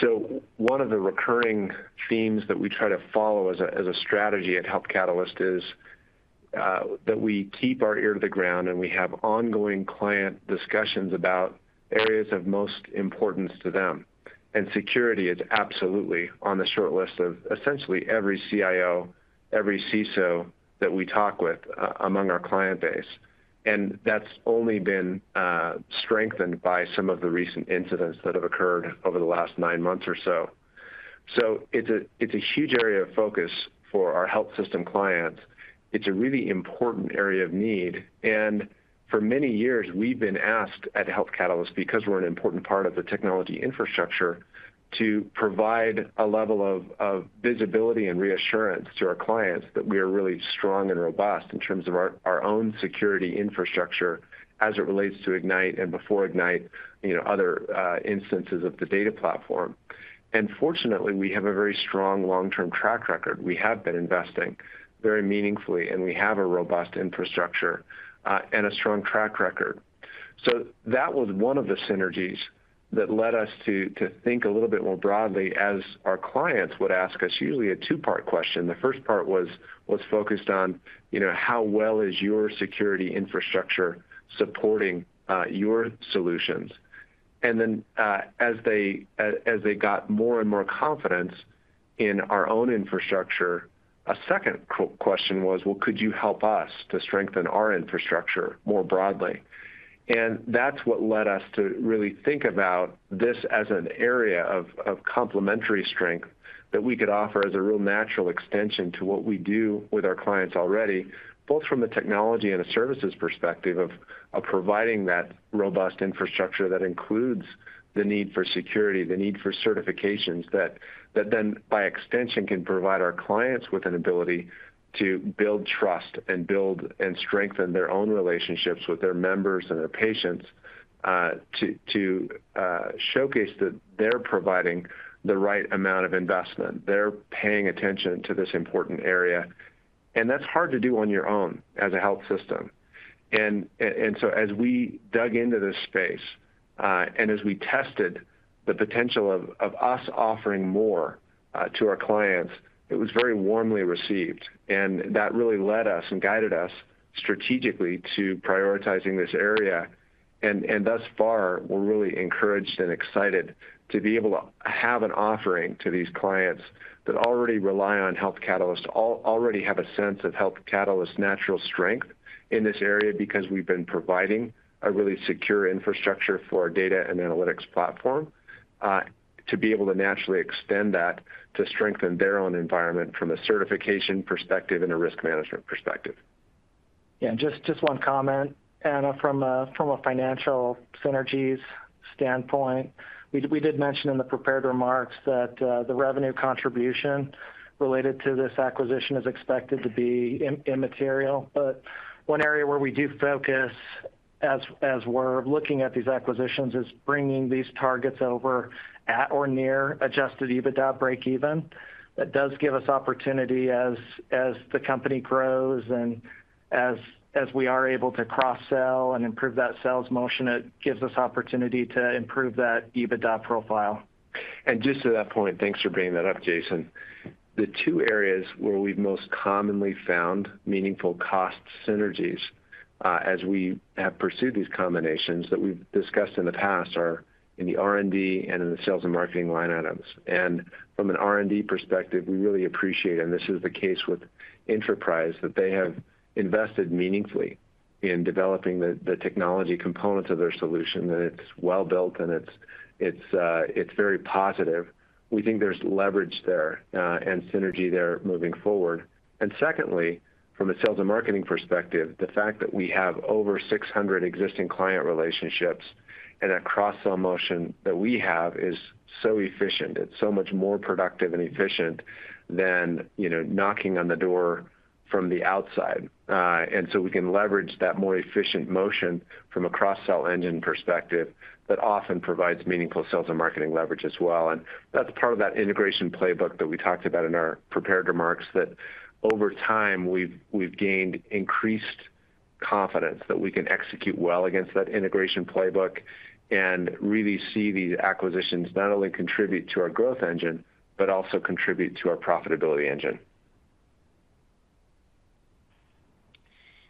So one of the recurring themes that we try to follow as a strategy at Health Catalyst is that we keep our ear to the ground and we have ongoing client discussions about areas of most importance to them, and security is absolutely on the shortlist of essentially every CIO, every CISO that we talk with among our client base, and that's only been strengthened by some of the recent incidents that have occurred over the last nine months or so. So it's a huge area of focus for our health system clients. It's a really important area of need. For many years, we've been asked at Health Catalyst, because we're an important part of the technology infrastructure, to provide a level of visibility and reassurance to our clients that we are really strong and robust in terms of our own security infrastructure as it relates to Ignite and before Ignite, other instances of the data platform. Fortunately, we have a very strong long-term track record. We have been investing very meaningfully, and we have a robust infrastructure and a strong track record. That was one of the synergies that led us to think a little bit more broadly as our clients would ask us usually a two-part question. The first part was focused on how well is your security infrastructure supporting your solutions? And then as they got more and more confidence in our own infrastructure, a second question was, well, could you help us to strengthen our infrastructure more broadly? And that's what led us to really think about this as an area of complementary strength that we could offer as a real natural extension to what we do with our clients already, both from the technology and a services perspective of providing that robust infrastructure that includes the need for security, the need for certifications that then, by extension, can provide our clients with an ability to build trust and build and strengthen their own relationships with their members and their patients to showcase that they're providing the right amount of investment. They're paying attention to this important area. And that's hard to do on your own as a health system. And so as we dug into this space and as we tested the potential of us offering more to our clients, it was very warmly received. And that really led us and guided us strategically to prioritizing this area. And thus far, we're really encouraged and excited to be able to have an offering to these clients that already rely on Health Catalyst, already have a sense of Health Catalyst's natural strength in this area because we've been providing a really secure infrastructure for our data and analytics platform to be able to naturally extend that to strengthen their own environment from a certification perspective and a risk management perspective. Yeah, just one comment, Anna, from a financial synergies standpoint. We did mention in the prepared remarks that the revenue contribution related to this acquisition is expected to be immaterial. But one area where we do focus as we're looking at these acquisitions is bringing these targets over at or near adjusted EBITDA break-even. That does give us opportunity as the company grows and as we are able to cross-sell and improve that sales motion, it gives us opportunity to improve that EBITDA profile. And just to that point, thanks for bringing that up, Jason. The two areas where we've most commonly found meaningful cost synergies as we have pursued these combinations that we've discussed in the past are in the R&D and in the sales and marketing line items. And from an R&D perspective, we really appreciate, and this is the case with Enterprise, that they have invested meaningfully in developing the technology components of their solution, that it's well-built and it's very positive. We think there's leverage there and synergy there moving forward. And secondly, from a sales and marketing perspective, the fact that we have over 600 existing client relationships and a cross-sell motion that we have is so efficient. It's so much more productive and efficient than knocking on the door from the outside. And so we can leverage that more efficient motion from a cross-sell engine perspective that often provides meaningful sales and marketing leverage as well. And that's part of that integration playbook that we talked about in our prepared remarks that over time we've gained increased confidence that we can execute well against that integration playbook and really see these acquisitions not only contribute to our growth engine, but also contribute to our profitability engine.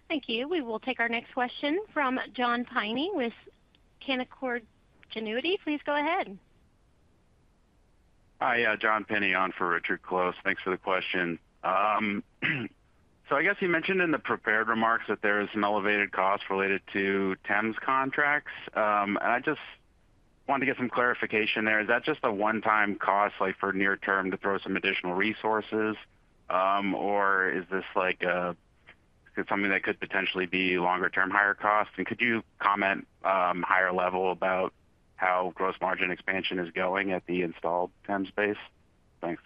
Thank you. We will take our next question from John Pinney with Canaccord Genuity. Please go ahead. Hi, John Pinney on for Richard Close. Thanks for the question. So I guess you mentioned in the prepared remarks that there is an elevated cost related to TEMS contracts. And I just wanted to get some clarification there. Is that just a one-time cost for near-term to throw some additional resources, or is this something that could potentially be longer-term higher cost? And could you comment higher level about how gross margin expansion is going at the installed TEMS base? Thanks.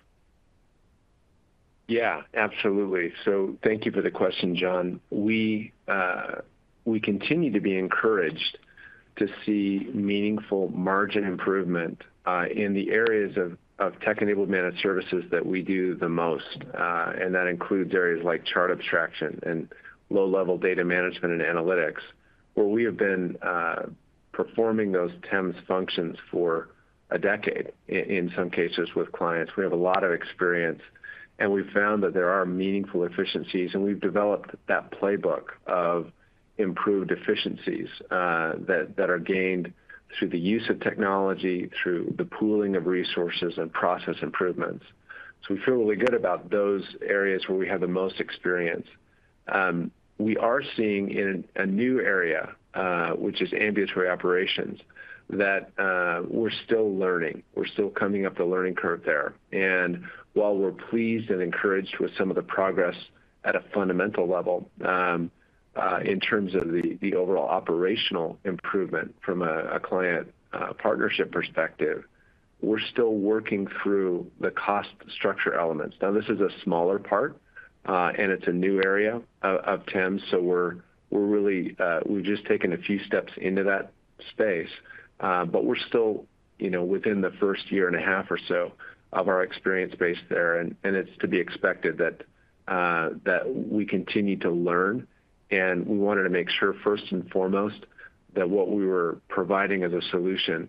Yeah, absolutely. So thank you for the question, John. We continue to be encouraged to see meaningful margin improvement in the areas of tech-enabled managed services that we do the most. And that includes areas like chart abstraction and low-level data management and analytics, where we have been performing those TEMS functions for a decade in some cases with clients. We have a lot of experience, and we've developed that playbook of improved efficiencies that are gained through the use of technology, through the pooling of resources and process improvements. So we feel really good about those areas where we have the most experience. We are seeing in a new area, which is ambulatory operations, that we're still learning. We're still coming up the learning curve there. While we're pleased and encouraged with some of the progress at a fundamental level in terms of the overall operational improvement from a client partnership perspective, we're still working through the cost structure elements. Now, this is a smaller part, and it's a new area of TEMS. So we're really just taking a few steps into that space, but we're still within the first year and a half or so of our experience base there. It's to be expected that we continue to learn. We wanted to make sure, first and foremost, that what we were providing as a solution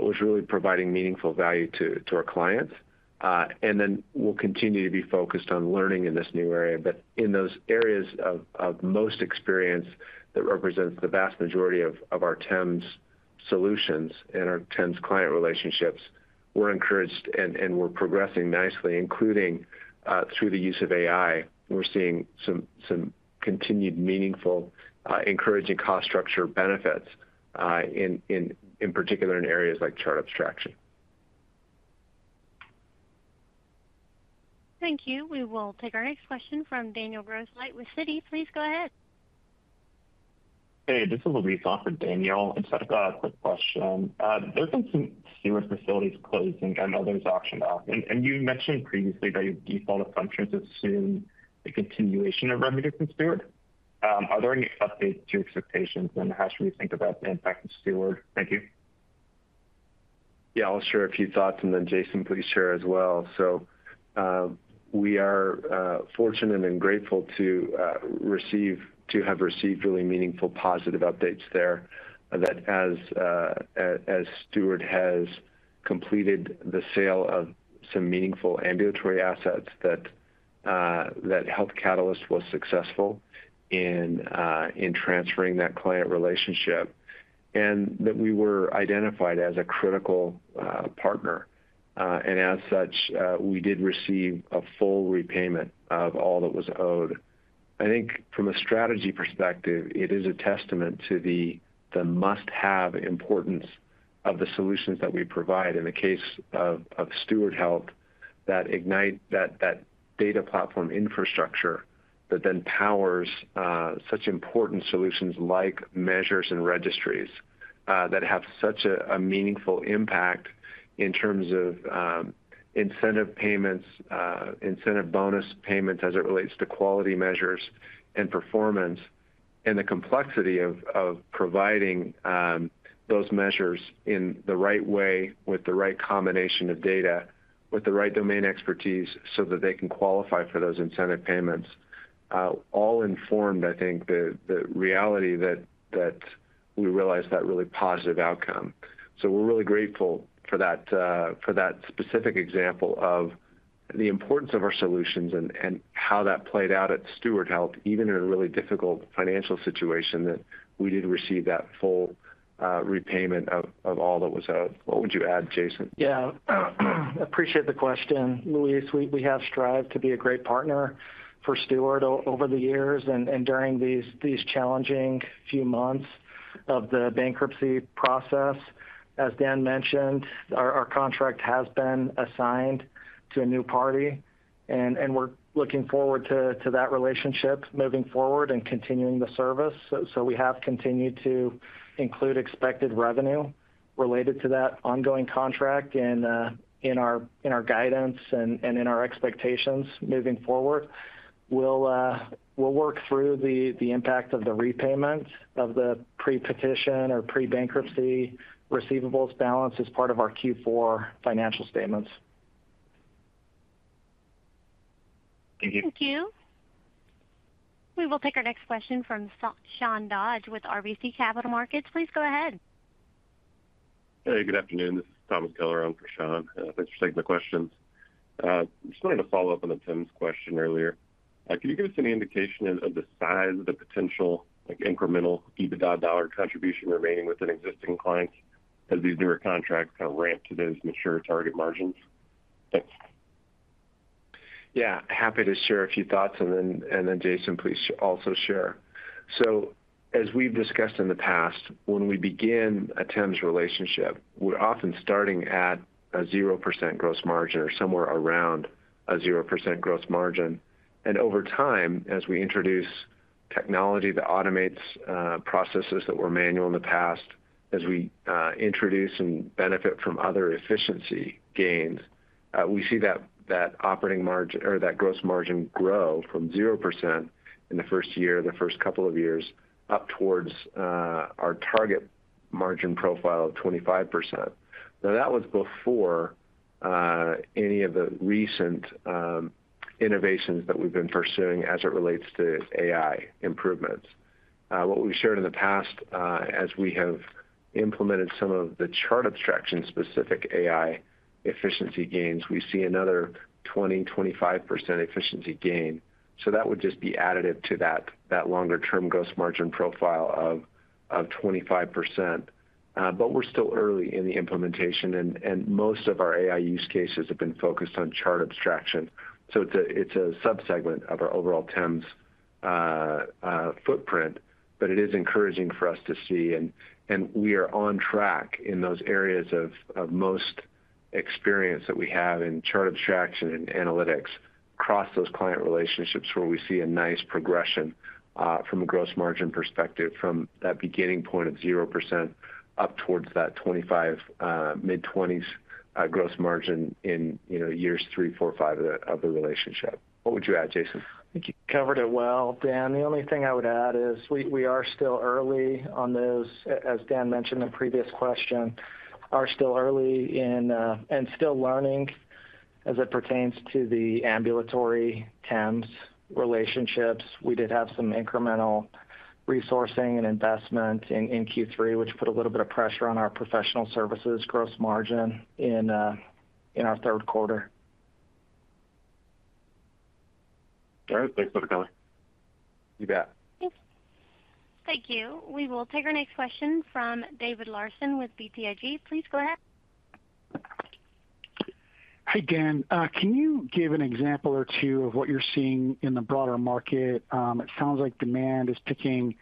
was really providing meaningful value to our clients. Then we'll continue to be focused on learning in this new area. But in those areas of most experience that represents the vast majority of our TEMS solutions and our TEMS client relationships, we're encouraged and we're progressing nicely, including through the use of AI. We're seeing some continued meaningful, encouraging cost structure benefits, in particular in areas like chart abstraction. Thank you. We will take our next question from Daniel Grosslight with Citi. Please go ahead. Hey, this is Luis off of Daniel. I just had a quick question. There's been some Steward facilities closing and others auctioned off. And you mentioned previously that your default assumption is soon a continuation of revenue from Steward. Are there any updates to expectations, and how should we think about the impact of Steward? Thank you. Yeah, I'll share a few thoughts, and then Jason, please share as well. So we are fortunate and grateful to have received really meaningful positive updates there that as Steward has completed the sale of some meaningful ambulatory assets, that Health Catalyst was successful in transferring that client relationship and that we were identified as a critical partner. And as such, we did receive a full repayment of all that was owed. I think from a strategy perspective, it is a testament to the must-have importance of the solutions that we provide. In the case of Steward Health, that Ignite, that data platform infrastructure that then powers such important solutions like measures and registries that have such a meaningful impact in terms of incentive payments, incentive bonus payments as it relates to quality measures and performance, and the complexity of providing those measures in the right way with the right combination of data, with the right domain expertise so that they can qualify for those incentive payments, all informed, I think, the reality that we realized that really positive outcome. So we're really grateful for that specific example of the importance of our solutions and how that played out at Steward Health, even in a really difficult financial situation that we did receive that full repayment of all that was owed. What would you add, Jason? Yeah, I appreciate the question. Luis, we have strived to be a great partner for Steward over the years and during these challenging few months of the bankruptcy process. As Dan mentioned, our contract has been assigned to a new party, and we're looking forward to that relationship moving forward and continuing the service. So we have continued to include expected revenue related to that ongoing contract in our guidance and in our expectations moving forward. We'll work through the impact of the repayment of the pre-petition or pre-bankruptcy receivables balance as part of our Q4 financial statements. Thank you. Thank you. We will take our next question from Sean Dodge with RBC Capital Markets. Please go ahead. Hey, good afternoon. This is Thomas Keller on for Sean. Thanks for taking the question. Just wanted to follow up on the TEMS question earlier. Could you give us any indication of the size of the potential incremental EBITDA dollar contribution remaining within existing clients as these newer contracts kind of ramp to those mature target margins? Thanks. Yeah, happy to share a few thoughts, and then Jason, please also share. As we've discussed in the past, when we begin a TEMS relationship, we're often starting at a 0% gross margin or somewhere around a 0% gross margin. And over time, as we introduce technology that automates processes that were manual in the past, as we introduce and benefit from other efficiency gains, we see that operating margin or that gross margin grow from 0% in the first year, the first couple of years, up towards our target margin profile of 25%. Now, that was before any of the recent innovations that we've been pursuing as it relates to AI improvements. What we've shared in the past, as we have implemented some of the chart abstraction-specific AI efficiency gains, we see another 20%-25% efficiency gain. So that would just be additive to that longer-term gross margin profile of 25%. But we're still early in the implementation, and most of our AI use cases have been focused on chart abstraction. So it's a subsegment of our overall TEMS footprint, but it is encouraging for us to see. And we are on track in those areas of most experience that we have in chart abstraction and analytics across those client relationships where we see a nice progression from a gross margin perspective from that beginning point of 0% up towards that 25%, mid-20s% gross margin in years three, four, five of the relationship. What would you add, Jason? Thank you. Covered it well, Dan. The only thing I would add is we are still early on those, as Dan mentioned in the previous question, and still learning as it pertains to the ambulatory TEMS relationships. We did have some incremental resourcing and investment in Q3, which put a little bit of pressure on our professional services gross margin in our Q3. All right, thanks for the comment. You bet. Thank you. We will take our next question from David Larson with BTIG. Please go ahead. Hi Dan. Can you give an example or two of what you're seeing in the broader market? It sounds like demand is picking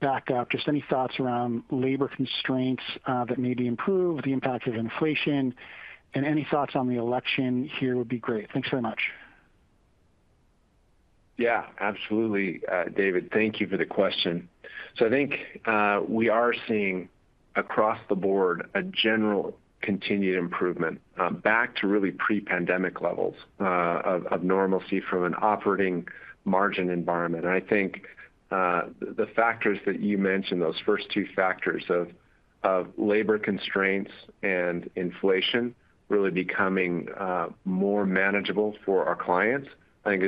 back up. Just any thoughts around labor constraints that may be improved, the impact of inflation, and any thoughts on the election here would be great. Thanks very much. Yeah, absolutely, David. Thank you for the question, so I think we are seeing across the board a general continued improvement back to really pre-pandemic levels of normalcy from an operating margin environment. And I think the factors that you mentioned, those first two factors of labor constraints and inflation really becoming more manageable for our clients, I think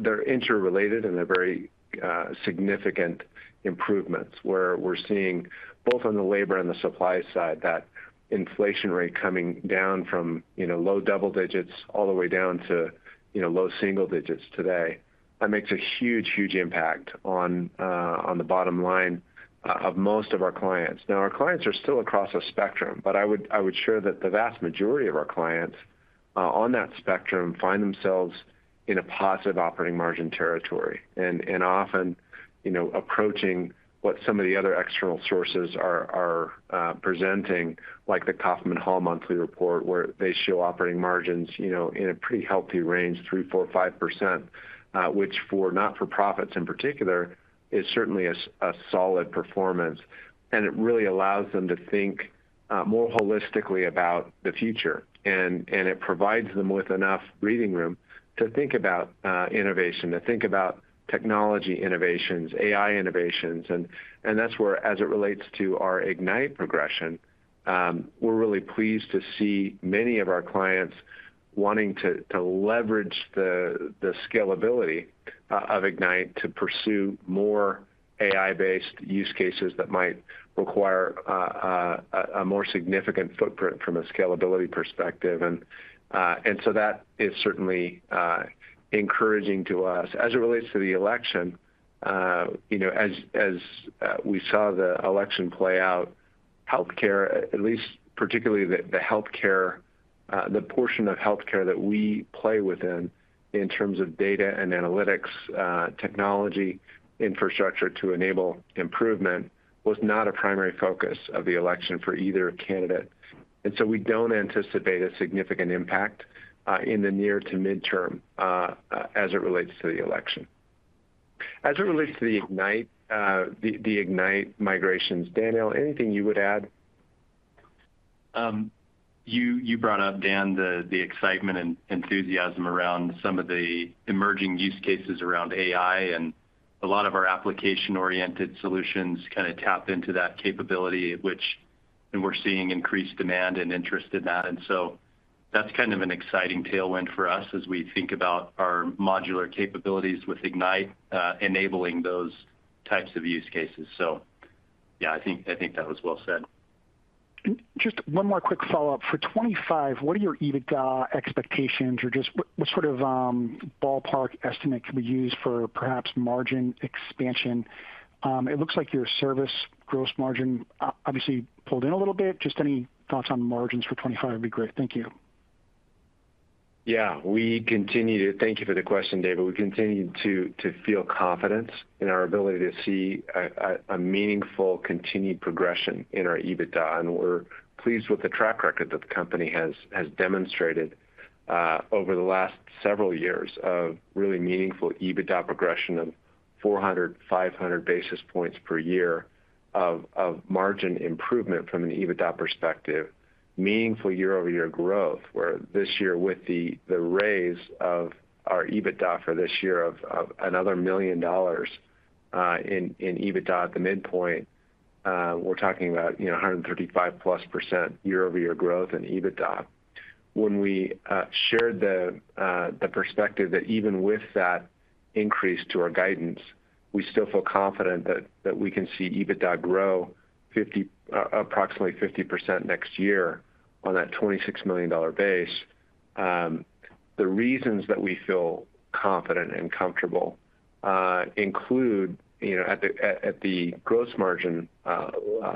they're interrelated and they're very significant improvements where we're seeing both on the labor and the supply side that inflation rate coming down from low double digits all the way down to low single digits today. That makes a huge, huge impact on the bottom line of most of our clients. Now, our clients are still across a spectrum, but I would share that the vast majority of our clients on that spectrum find themselves in a positive operating margin territory and often approaching what some of the other external sources are presenting, like the Kaufman Hall monthly report, where they show operating margins in a pretty healthy range, 3%-5%, which for not-for-profits in particular is certainly a solid performance. And it really allows them to think more holistically about the future. And it provides them with enough breathing room to think about innovation, to think about technology innovations, AI innovations. And that's where, as it relates to our Ignite progression, we're really pleased to see many of our clients wanting to leverage the scalability of Ignite to pursue more AI-based use cases that might require a more significant footprint from a scalability perspective. And so that is certainly encouraging to us. As it relates to the election, as we saw the election play out, healthcare, at least particularly the portion of healthcare that we play within in terms of data and analytics, technology infrastructure to enable improvement was not a primary focus of the election for either candidate. And so we don't anticipate a significant impact in the near to midterm as it relates to the election. As it relates to the Ignite, the Ignite migrations, Daniel, anything you would add? You brought up, Dan, the excitement and enthusiasm around some of the emerging use cases around AI, and a lot of our application-oriented solutions kind of tap into that capability, which we're seeing increased demand and interest in that, and so that's kind of an exciting tailwind for us as we think about our modular capabilities with Ignite, enabling those types of use cases, so yeah, I think that was well said. Just one more quick follow-up. For 2025, what are your EBITDA expectations or just what sort of ballpark estimate can we use for perhaps margin expansion? It looks like your service gross margin obviously pulled in a little bit. Just any thoughts on margins for 2025 would be great. Thank you. Yeah, we continue to thank you for the question, David. We continue to feel confidence in our ability to see a meaningful continued progression in our EBITDA, and we're pleased with the track record that the company has demonstrated over the last several years of really meaningful EBITDA progression of 400-500 basis points per year of margin improvement from an EBITDA perspective, meaningful year-over-year growth, where this year with the raise of our EBITDA for this year of another $1 million in EBITDA at the midpoint, we're talking about 135% year-over-year growth in EBITDA. When we shared the perspective that even with that increase to our guidance, we still feel confident that we can see EBITDA grow approximately 50% next year on that $26 million base. The reasons that we feel confident and comfortable include, at the gross margin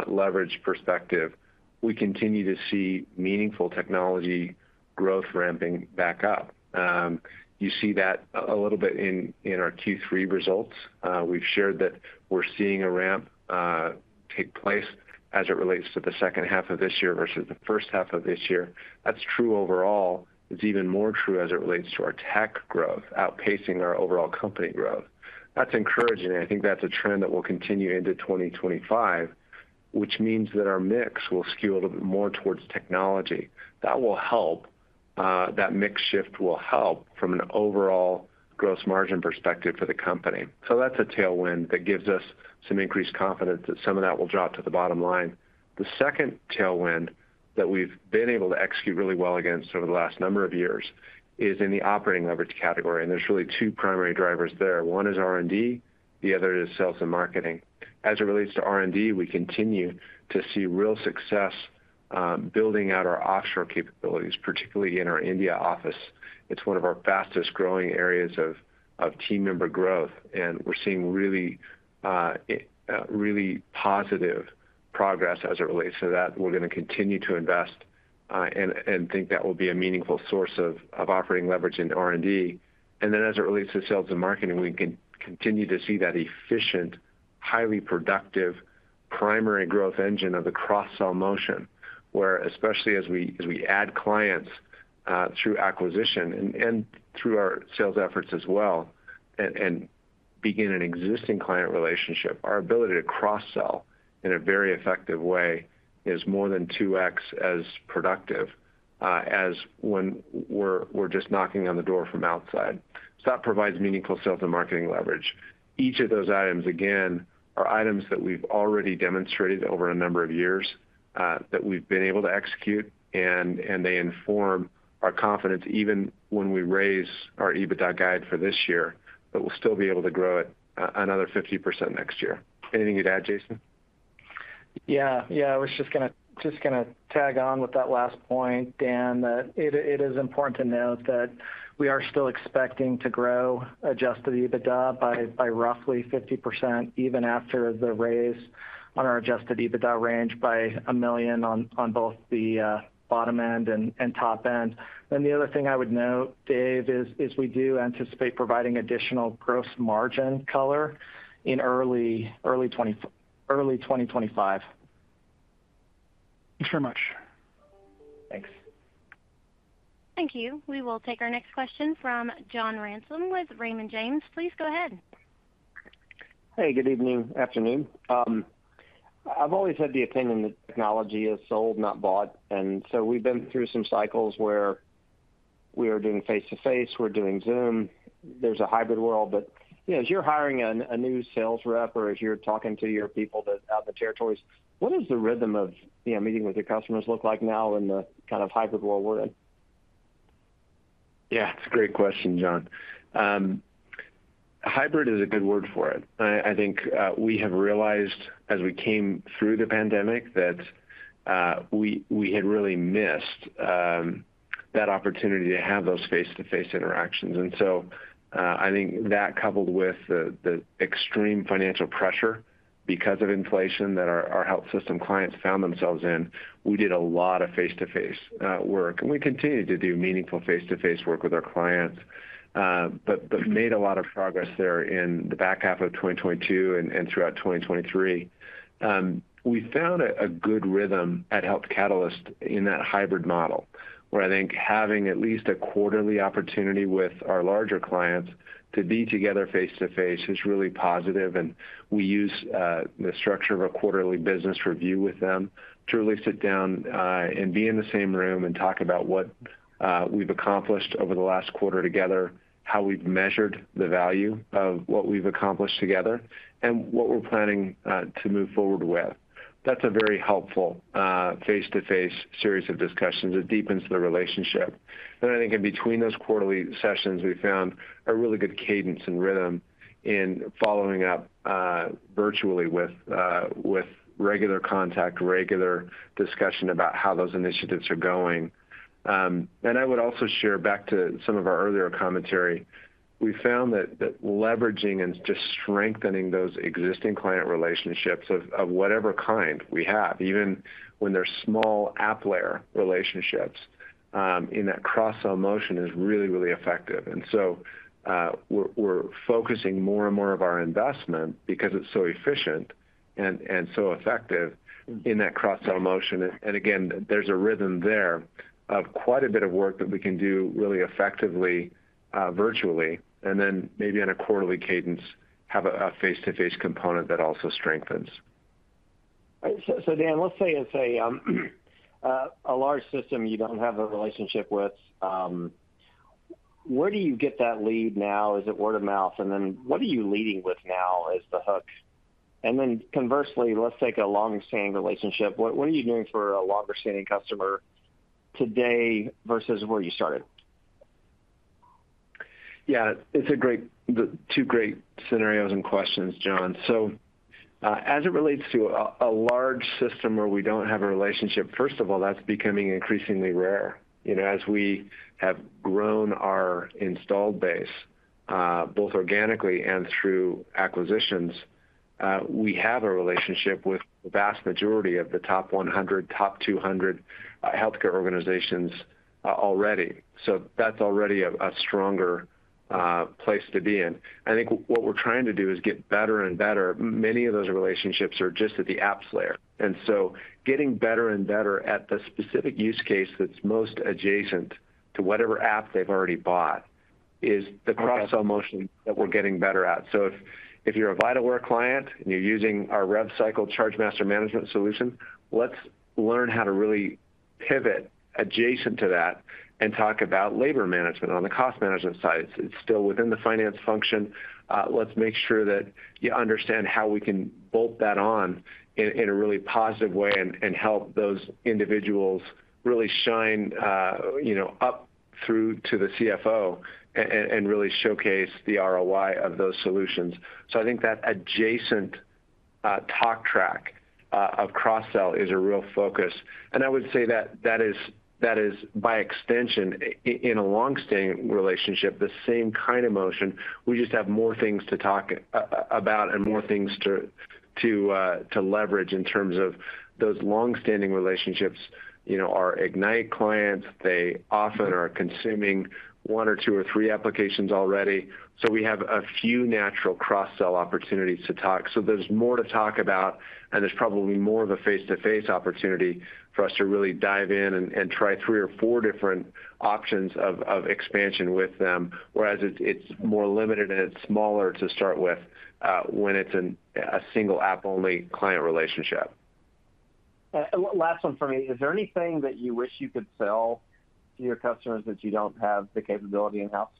leverage perspective, we continue to see meaningful technology growth ramping back up. You see that a little bit in our Q3 results. We've shared that we're seeing a ramp take place as it relates to the second half of this year versus the first half of this year. That's true overall. It's even more true as it relates to our tech growth outpacing our overall company growth. That's encouraging. I think that's a trend that will continue into 2025, which means that our mix will skew a little bit more towards technology. That will help. That mix shift will help from an overall gross margin perspective for the company. So that's a tailwind that gives us some increased confidence that some of that will drop to the bottom line. The second tailwind that we've been able to execute really well against over the last number of years is in the operating leverage category, and there's really two primary drivers there. One is R&D. The other is sales and marketing. As it relates to R&D, we continue to see real success building out our offshore capabilities, particularly in our India office. It's one of our fastest growing areas of team member growth, and we're seeing really positive progress as it relates to that. We're going to continue to invest and think that will be a meaningful source of operating leverage in R&D. And then as it relates to sales and marketing, we can continue to see that efficient, highly productive primary growth engine of the cross-sell motion, where especially as we add clients through acquisition and through our sales efforts as well and begin an existing client relationship, our ability to cross-sell in a very effective way is more than 2x as productive as when we're just knocking on the door from outside. So that provides meaningful sales and marketing leverage. Each of those items, again, are items that we've already demonstrated over a number of years that we've been able to execute, and they inform our confidence even when we raise our EBITDA guide for this year, that we'll still be able to grow it another 50% next year. Anything you'd add, Jason? Yeah, yeah, I was just going to tag on with that last point, Dan, that it is important to note that we are still expecting to grow Adjusted EBITDA by roughly 50% even after the raise on our Adjusted EBITDA range by $1 million on both the bottom end and top end. The other thing I would note, Dave, is we do anticipate providing additional gross margin color in early 2025. Thanks very much. Thanks. Thank you. We will take our next question from John Ransom with Raymond James. Please go ahead. Hey, good evening, afternoon. I've always had the opinion that technology is sold, not bought, and so we've been through some cycles where we are doing face-to-face, we're doing Zoom. There's a hybrid world, but as you're hiring a new sales rep or as you're talking to your people that have the territories, what does the rhythm of meeting with your customers look like now in the kind of hybrid world we're in? Yeah, it's a great question, John. Hybrid is a good word for it. I think we have realized as we came through the pandemic that we had really missed that opportunity to have those face-to-face interactions. And so I think that coupled with the extreme financial pressure because of inflation that our health system clients found themselves in, we did a lot of face-to-face work. And we continue to do meaningful face-to-face work with our clients, but made a lot of progress there in the back half of 2022 and throughout 2023. We found a good rhythm at Health Catalyst in that hybrid model where I think having at least a quarterly opportunity with our larger clients to be together face-to-face is really positive. And we use the structure of a quarterly business review with them to really sit down and be in the same room and talk about what we've accomplished over the last quarter together, how we've measured the value of what we've accomplished together, and what we're planning to move forward with. That's a very helpful face-to-face series of discussions. It deepens the relationship. And I think in between those quarterly sessions, we found a really good cadence and rhythm in following up virtually with regular contact, regular discussion about how those initiatives are going. And I would also share back to some of our earlier commentary. We found that leveraging and just strengthening those existing client relationships of whatever kind we have, even when they're small app layer relationships in that cross-sell motion is really, really effective. And so we're focusing more and more of our investment because it's so efficient and so effective in that cross-sell motion. And again, there's a rhythm there of quite a bit of work that we can do really effectively virtually, and then maybe on a quarterly cadence, have a face-to-face component that also strengthens. So Dan, let's say it's a large system you don't have a relationship with. Where do you get that lead now? Is it word of mouth? And then what are you leading with now as the hook? And then conversely, let's take a long-standing relationship. What are you doing for a longer-standing customer today versus where you started? Yeah, it's two great scenarios and questions, John. So as it relates to a large system where we don't have a relationship, first of all, that's becoming increasingly rare. As we have grown our installed base, both organically and through acquisitions, we have a relationship with the vast majority of the top 100, top 200 healthcare organizations already. So that's already a stronger place to be in. I think what we're trying to do is get better and better. Many of those relationships are just at the apps layer. And so getting better and better at the specific use case that's most adjacent to whatever app they've already bought is the cross-sell motion that we're getting better at. So if you're a Vitalware client and you're using our RevCycle Chargemaster management solution, let's learn how to really pivot adjacent to that and talk about labor management on the cost management side. It's still within the finance function. Let's make sure that you understand how we can bolt that on in a really positive way and help those individuals really shine up through to the CFO and really showcase the ROI of those solutions. So I think that adjacent talk track of cross-sell is a real focus. And I would say that that is, by extension, in a long-standing relationship, the same kind of motion. We just have more things to talk about and more things to leverage in terms of those long-standing relationships. Our Ignite clients, they often are consuming one or two or three applications already. So we have a few natural cross-sell opportunities to talk. There's more to talk about, and there's probably more of a face-to-face opportunity for us to really dive in and try three or four different options of expansion with them, whereas it's more limited and it's smaller to start with when it's a single app-only client relationship. Last one for me. Is there anything that you wish you could sell to your customers that you don't have the capability in-house?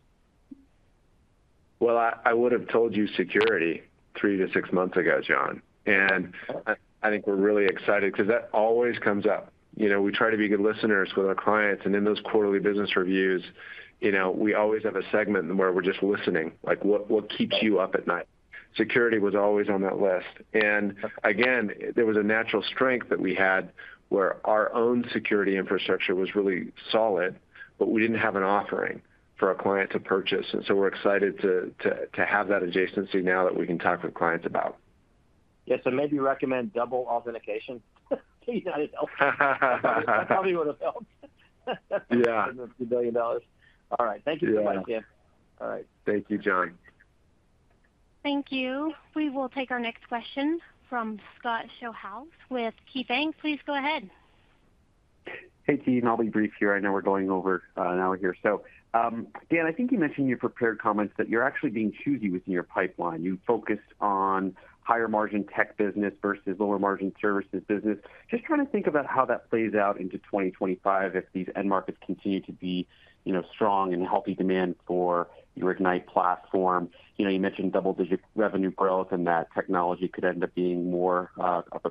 I would have told you security three to six months ago, John. I think we're really excited because that always comes up. We try to be good listeners with our clients. In those quarterly business reviews, we always have a segment where we're just listening. What keeps you up at night? Security was always on that list. Again, there was a natural strength that we had where our own security infrastructure was really solid, but we didn't have an offering for our client to purchase. We're excited to have that adjacency now that we can talk with clients about. Yeah, so maybe recommend double authentication. That would have helped. Yeah. The $1 million. All right. Thank you so much, Dan. All right. Thank you, John. Thank you. We will take our next question from Scott Schoenhaus with KeyBanc Capital Markets. Please go ahead. Hey, team. I'll be brief here. I know we're going over an hour here. So Dan, I think you mentioned in your prepared comments that you're actually being choosy within your pipeline. You focused on higher margin tech business versus lower margin services business. Just trying to think about how that plays out into 2025 if these end markets continue to be strong and healthy demand for your Ignite platform. You mentioned double-digit revenue growth and that technology could end up being more of a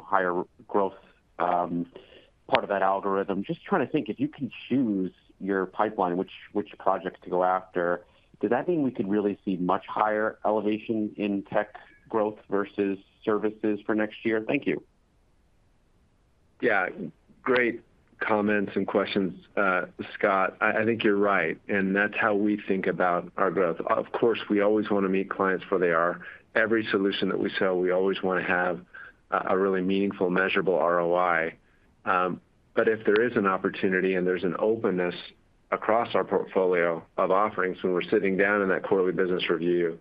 higher growth part of that algorithm. Just trying to think if you can choose your pipeline, which projects to go after, does that mean we could really see much higher elevation in tech growth versus services for next year? Thank you. Yeah, great comments and questions, Scott. I think you're right, and that's how we think about our growth. Of course, we always want to meet clients where they are. Every solution that we sell, we always want to have a really meaningful, measurable ROI. But if there is an opportunity and there's an openness across our portfolio of offerings when we're sitting down in that quarterly business review,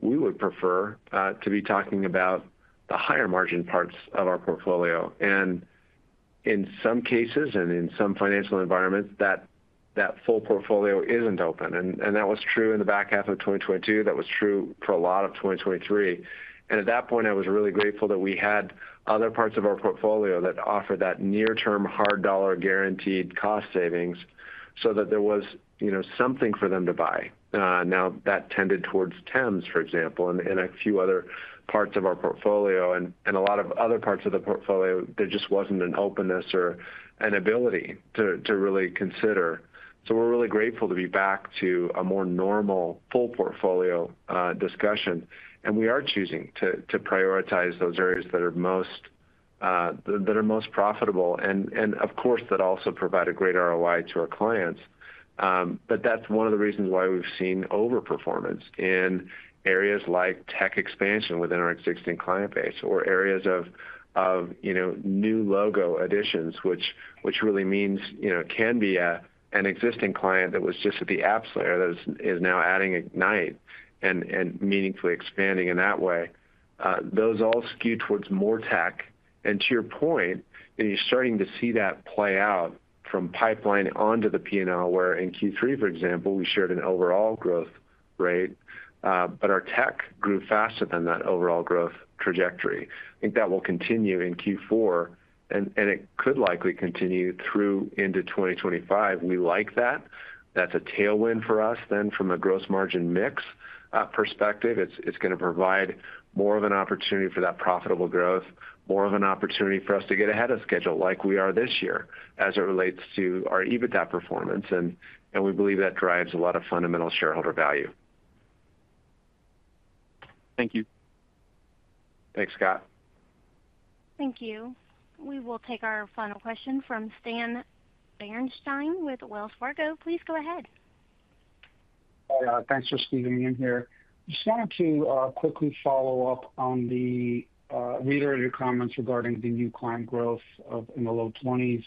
we would prefer to be talking about the higher margin parts of our portfolio, and in some cases and in some financial environments, that full portfolio isn't open. And that was true in the back half of 2022. That was true for a lot of 2023, and at that point, I was really grateful that we had other parts of our portfolio that offered that near-term hard dollar guaranteed cost savings so that there was something for them to buy. Now, that tended towards TEMS, for example, and a few other parts of our portfolio and a lot of other parts of the portfolio. There just wasn't an openness or an ability to really consider. So we're really grateful to be back to a more normal full portfolio discussion. And we are choosing to prioritize those areas that are most profitable and, of course, that also provide a greater ROI to our clients. But that's one of the reasons why we've seen overperformance in areas like tech expansion within our existing client base or areas of new logo additions, which really means can be an existing client that was just at the apps layer that is now adding Ignite and meaningfully expanding in that way. Those all skew towards more tech. And to your point, you're starting to see that play out from pipeline onto the P&L where in Q3, for example, we shared an overall growth rate, but our tech grew faster than that overall growth trajectory. I think that will continue in Q4, and it could likely continue through into 2025. We like that. That's a tailwind for us then from a gross margin mix perspective. It's going to provide more of an opportunity for that profitable growth, more of an opportunity for us to get ahead of schedule like we are this year as it relates to our EBITDA performance. And we believe that drives a lot of fundamental shareholder value. Thank you. Thanks, Scott. Thank you. We will take our final question from Stan Berenshteyn with Wells Fargo. Please go ahead. Thanks for squeezing in here. Just wanted to quickly follow up on the reiterated comments regarding the new client growth in the low 20s.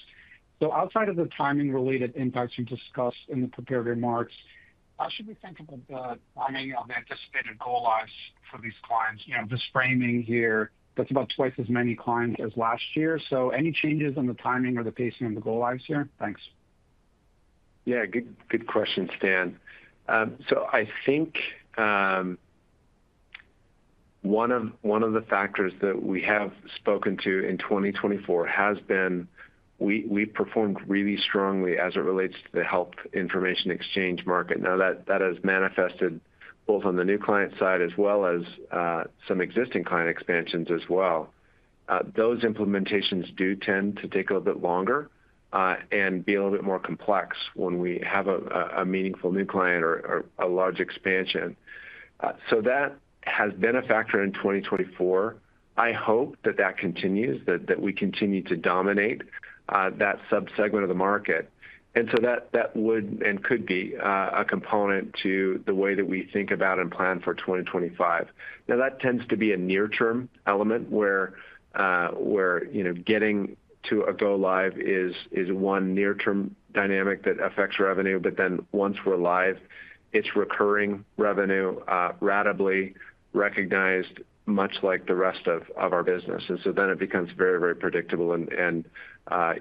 So outside of the timing-related impacts you discussed in the prepared remarks, how should we think about the timing of the anticipated go-lives for these clients? This framing here, that's about twice as many clients as last year. So any changes in the timing or the pacing of the go-lives here? Thanks. Yeah, good question, Stan. So I think one of the factors that we have spoken to in 2024 has been we've performed really strongly as it relates to the health information exchange market. Now, that has manifested both on the new client side as well as some existing client expansions as well. Those implementations do tend to take a little bit longer and be a little bit more complex when we have a meaningful new client or a large expansion. So that has been a factor in 2024. I hope that that continues, that we continue to dominate that subsegment of the market. And so that would and could be a component to the way that we think about and plan for 2025. Now, that tends to be a near-term element where getting to a go-live is one near-term dynamic that affects revenue. But then once we're live, it's recurring revenue, ratably recognized, much like the rest of our business. And so then it becomes very, very predictable and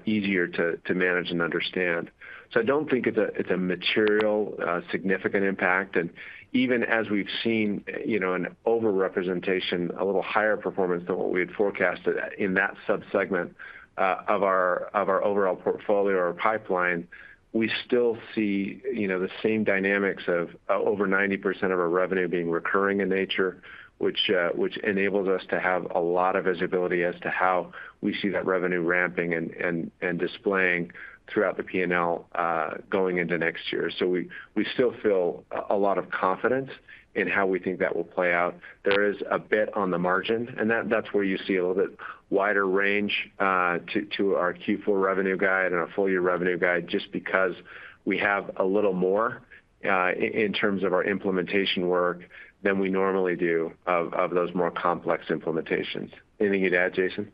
easier to manage and understand. So I don't think it's a material, significant impact. And even as we've seen an overrepresentation, a little higher performance than what we had forecasted in that subsegment of our overall portfolio or pipeline, we still see the same dynamics of over 90% of our revenue being recurring in nature, which enables us to have a lot of visibility as to how we see that revenue ramping and displaying throughout the P&L going into next year. So we still feel a lot of confidence in how we think that will play out. There is a bit on the margin, and that's where you see a little bit wider range to our Q4 revenue guide and our full-year revenue guide just because we have a little more in terms of our implementation work than we normally do of those more complex implementations. Anything you'd add, Jason?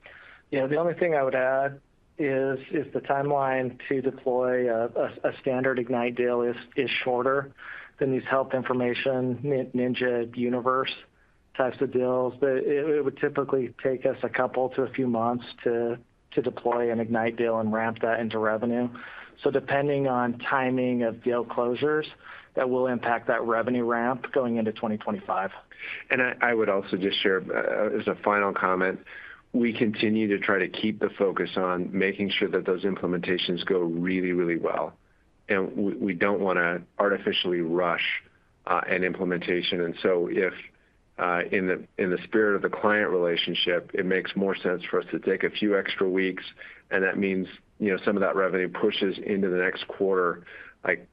Yeah, the only thing I would add is the timeline to deploy a standard Ignite deal is shorter than these health information Ninja Universe types of deals. It would typically take us a couple to a few months to deploy an Ignite deal and ramp that into revenue. So depending on timing of deal closures, that will impact that revenue ramp going into 2025. And I would also just share as a final comment, we continue to try to keep the focus on making sure that those implementations go really, really well. And we don't want to artificially rush an implementation. And so if in the spirit of the client relationship, it makes more sense for us to take a few extra weeks, and that means some of that revenue pushes into the next quarter,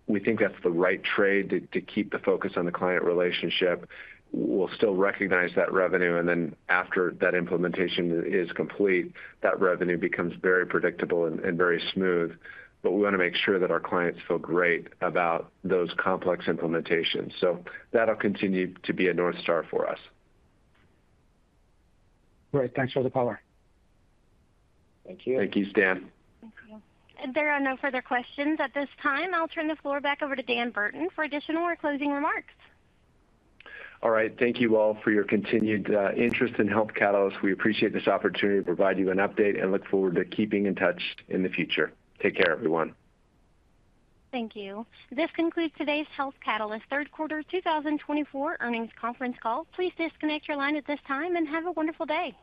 we think that's the right trade to keep the focus on the client relationship. We'll still recognize that revenue. And then after that implementation is complete, that revenue becomes very predictable and very smooth. But we want to make sure that our clients feel great about those complex implementations. So that'll continue to be a North Star for us. Great. Thanks for the color. Thank you. Thank you, Stan. Thank you. And there are no further questions at this time. I'll turn the floor back over to Dan Burton for additional or closing remarks. All right. Thank you all for your continued interest in Health Catalyst. We appreciate this opportunity to provide you an update and look forward to keeping in touch in the future. Take care, everyone. Thank you. This concludes today's Health Catalyst Q3 2024 Earnings Conference Call. Please disconnect your line at this time and have a wonderful day.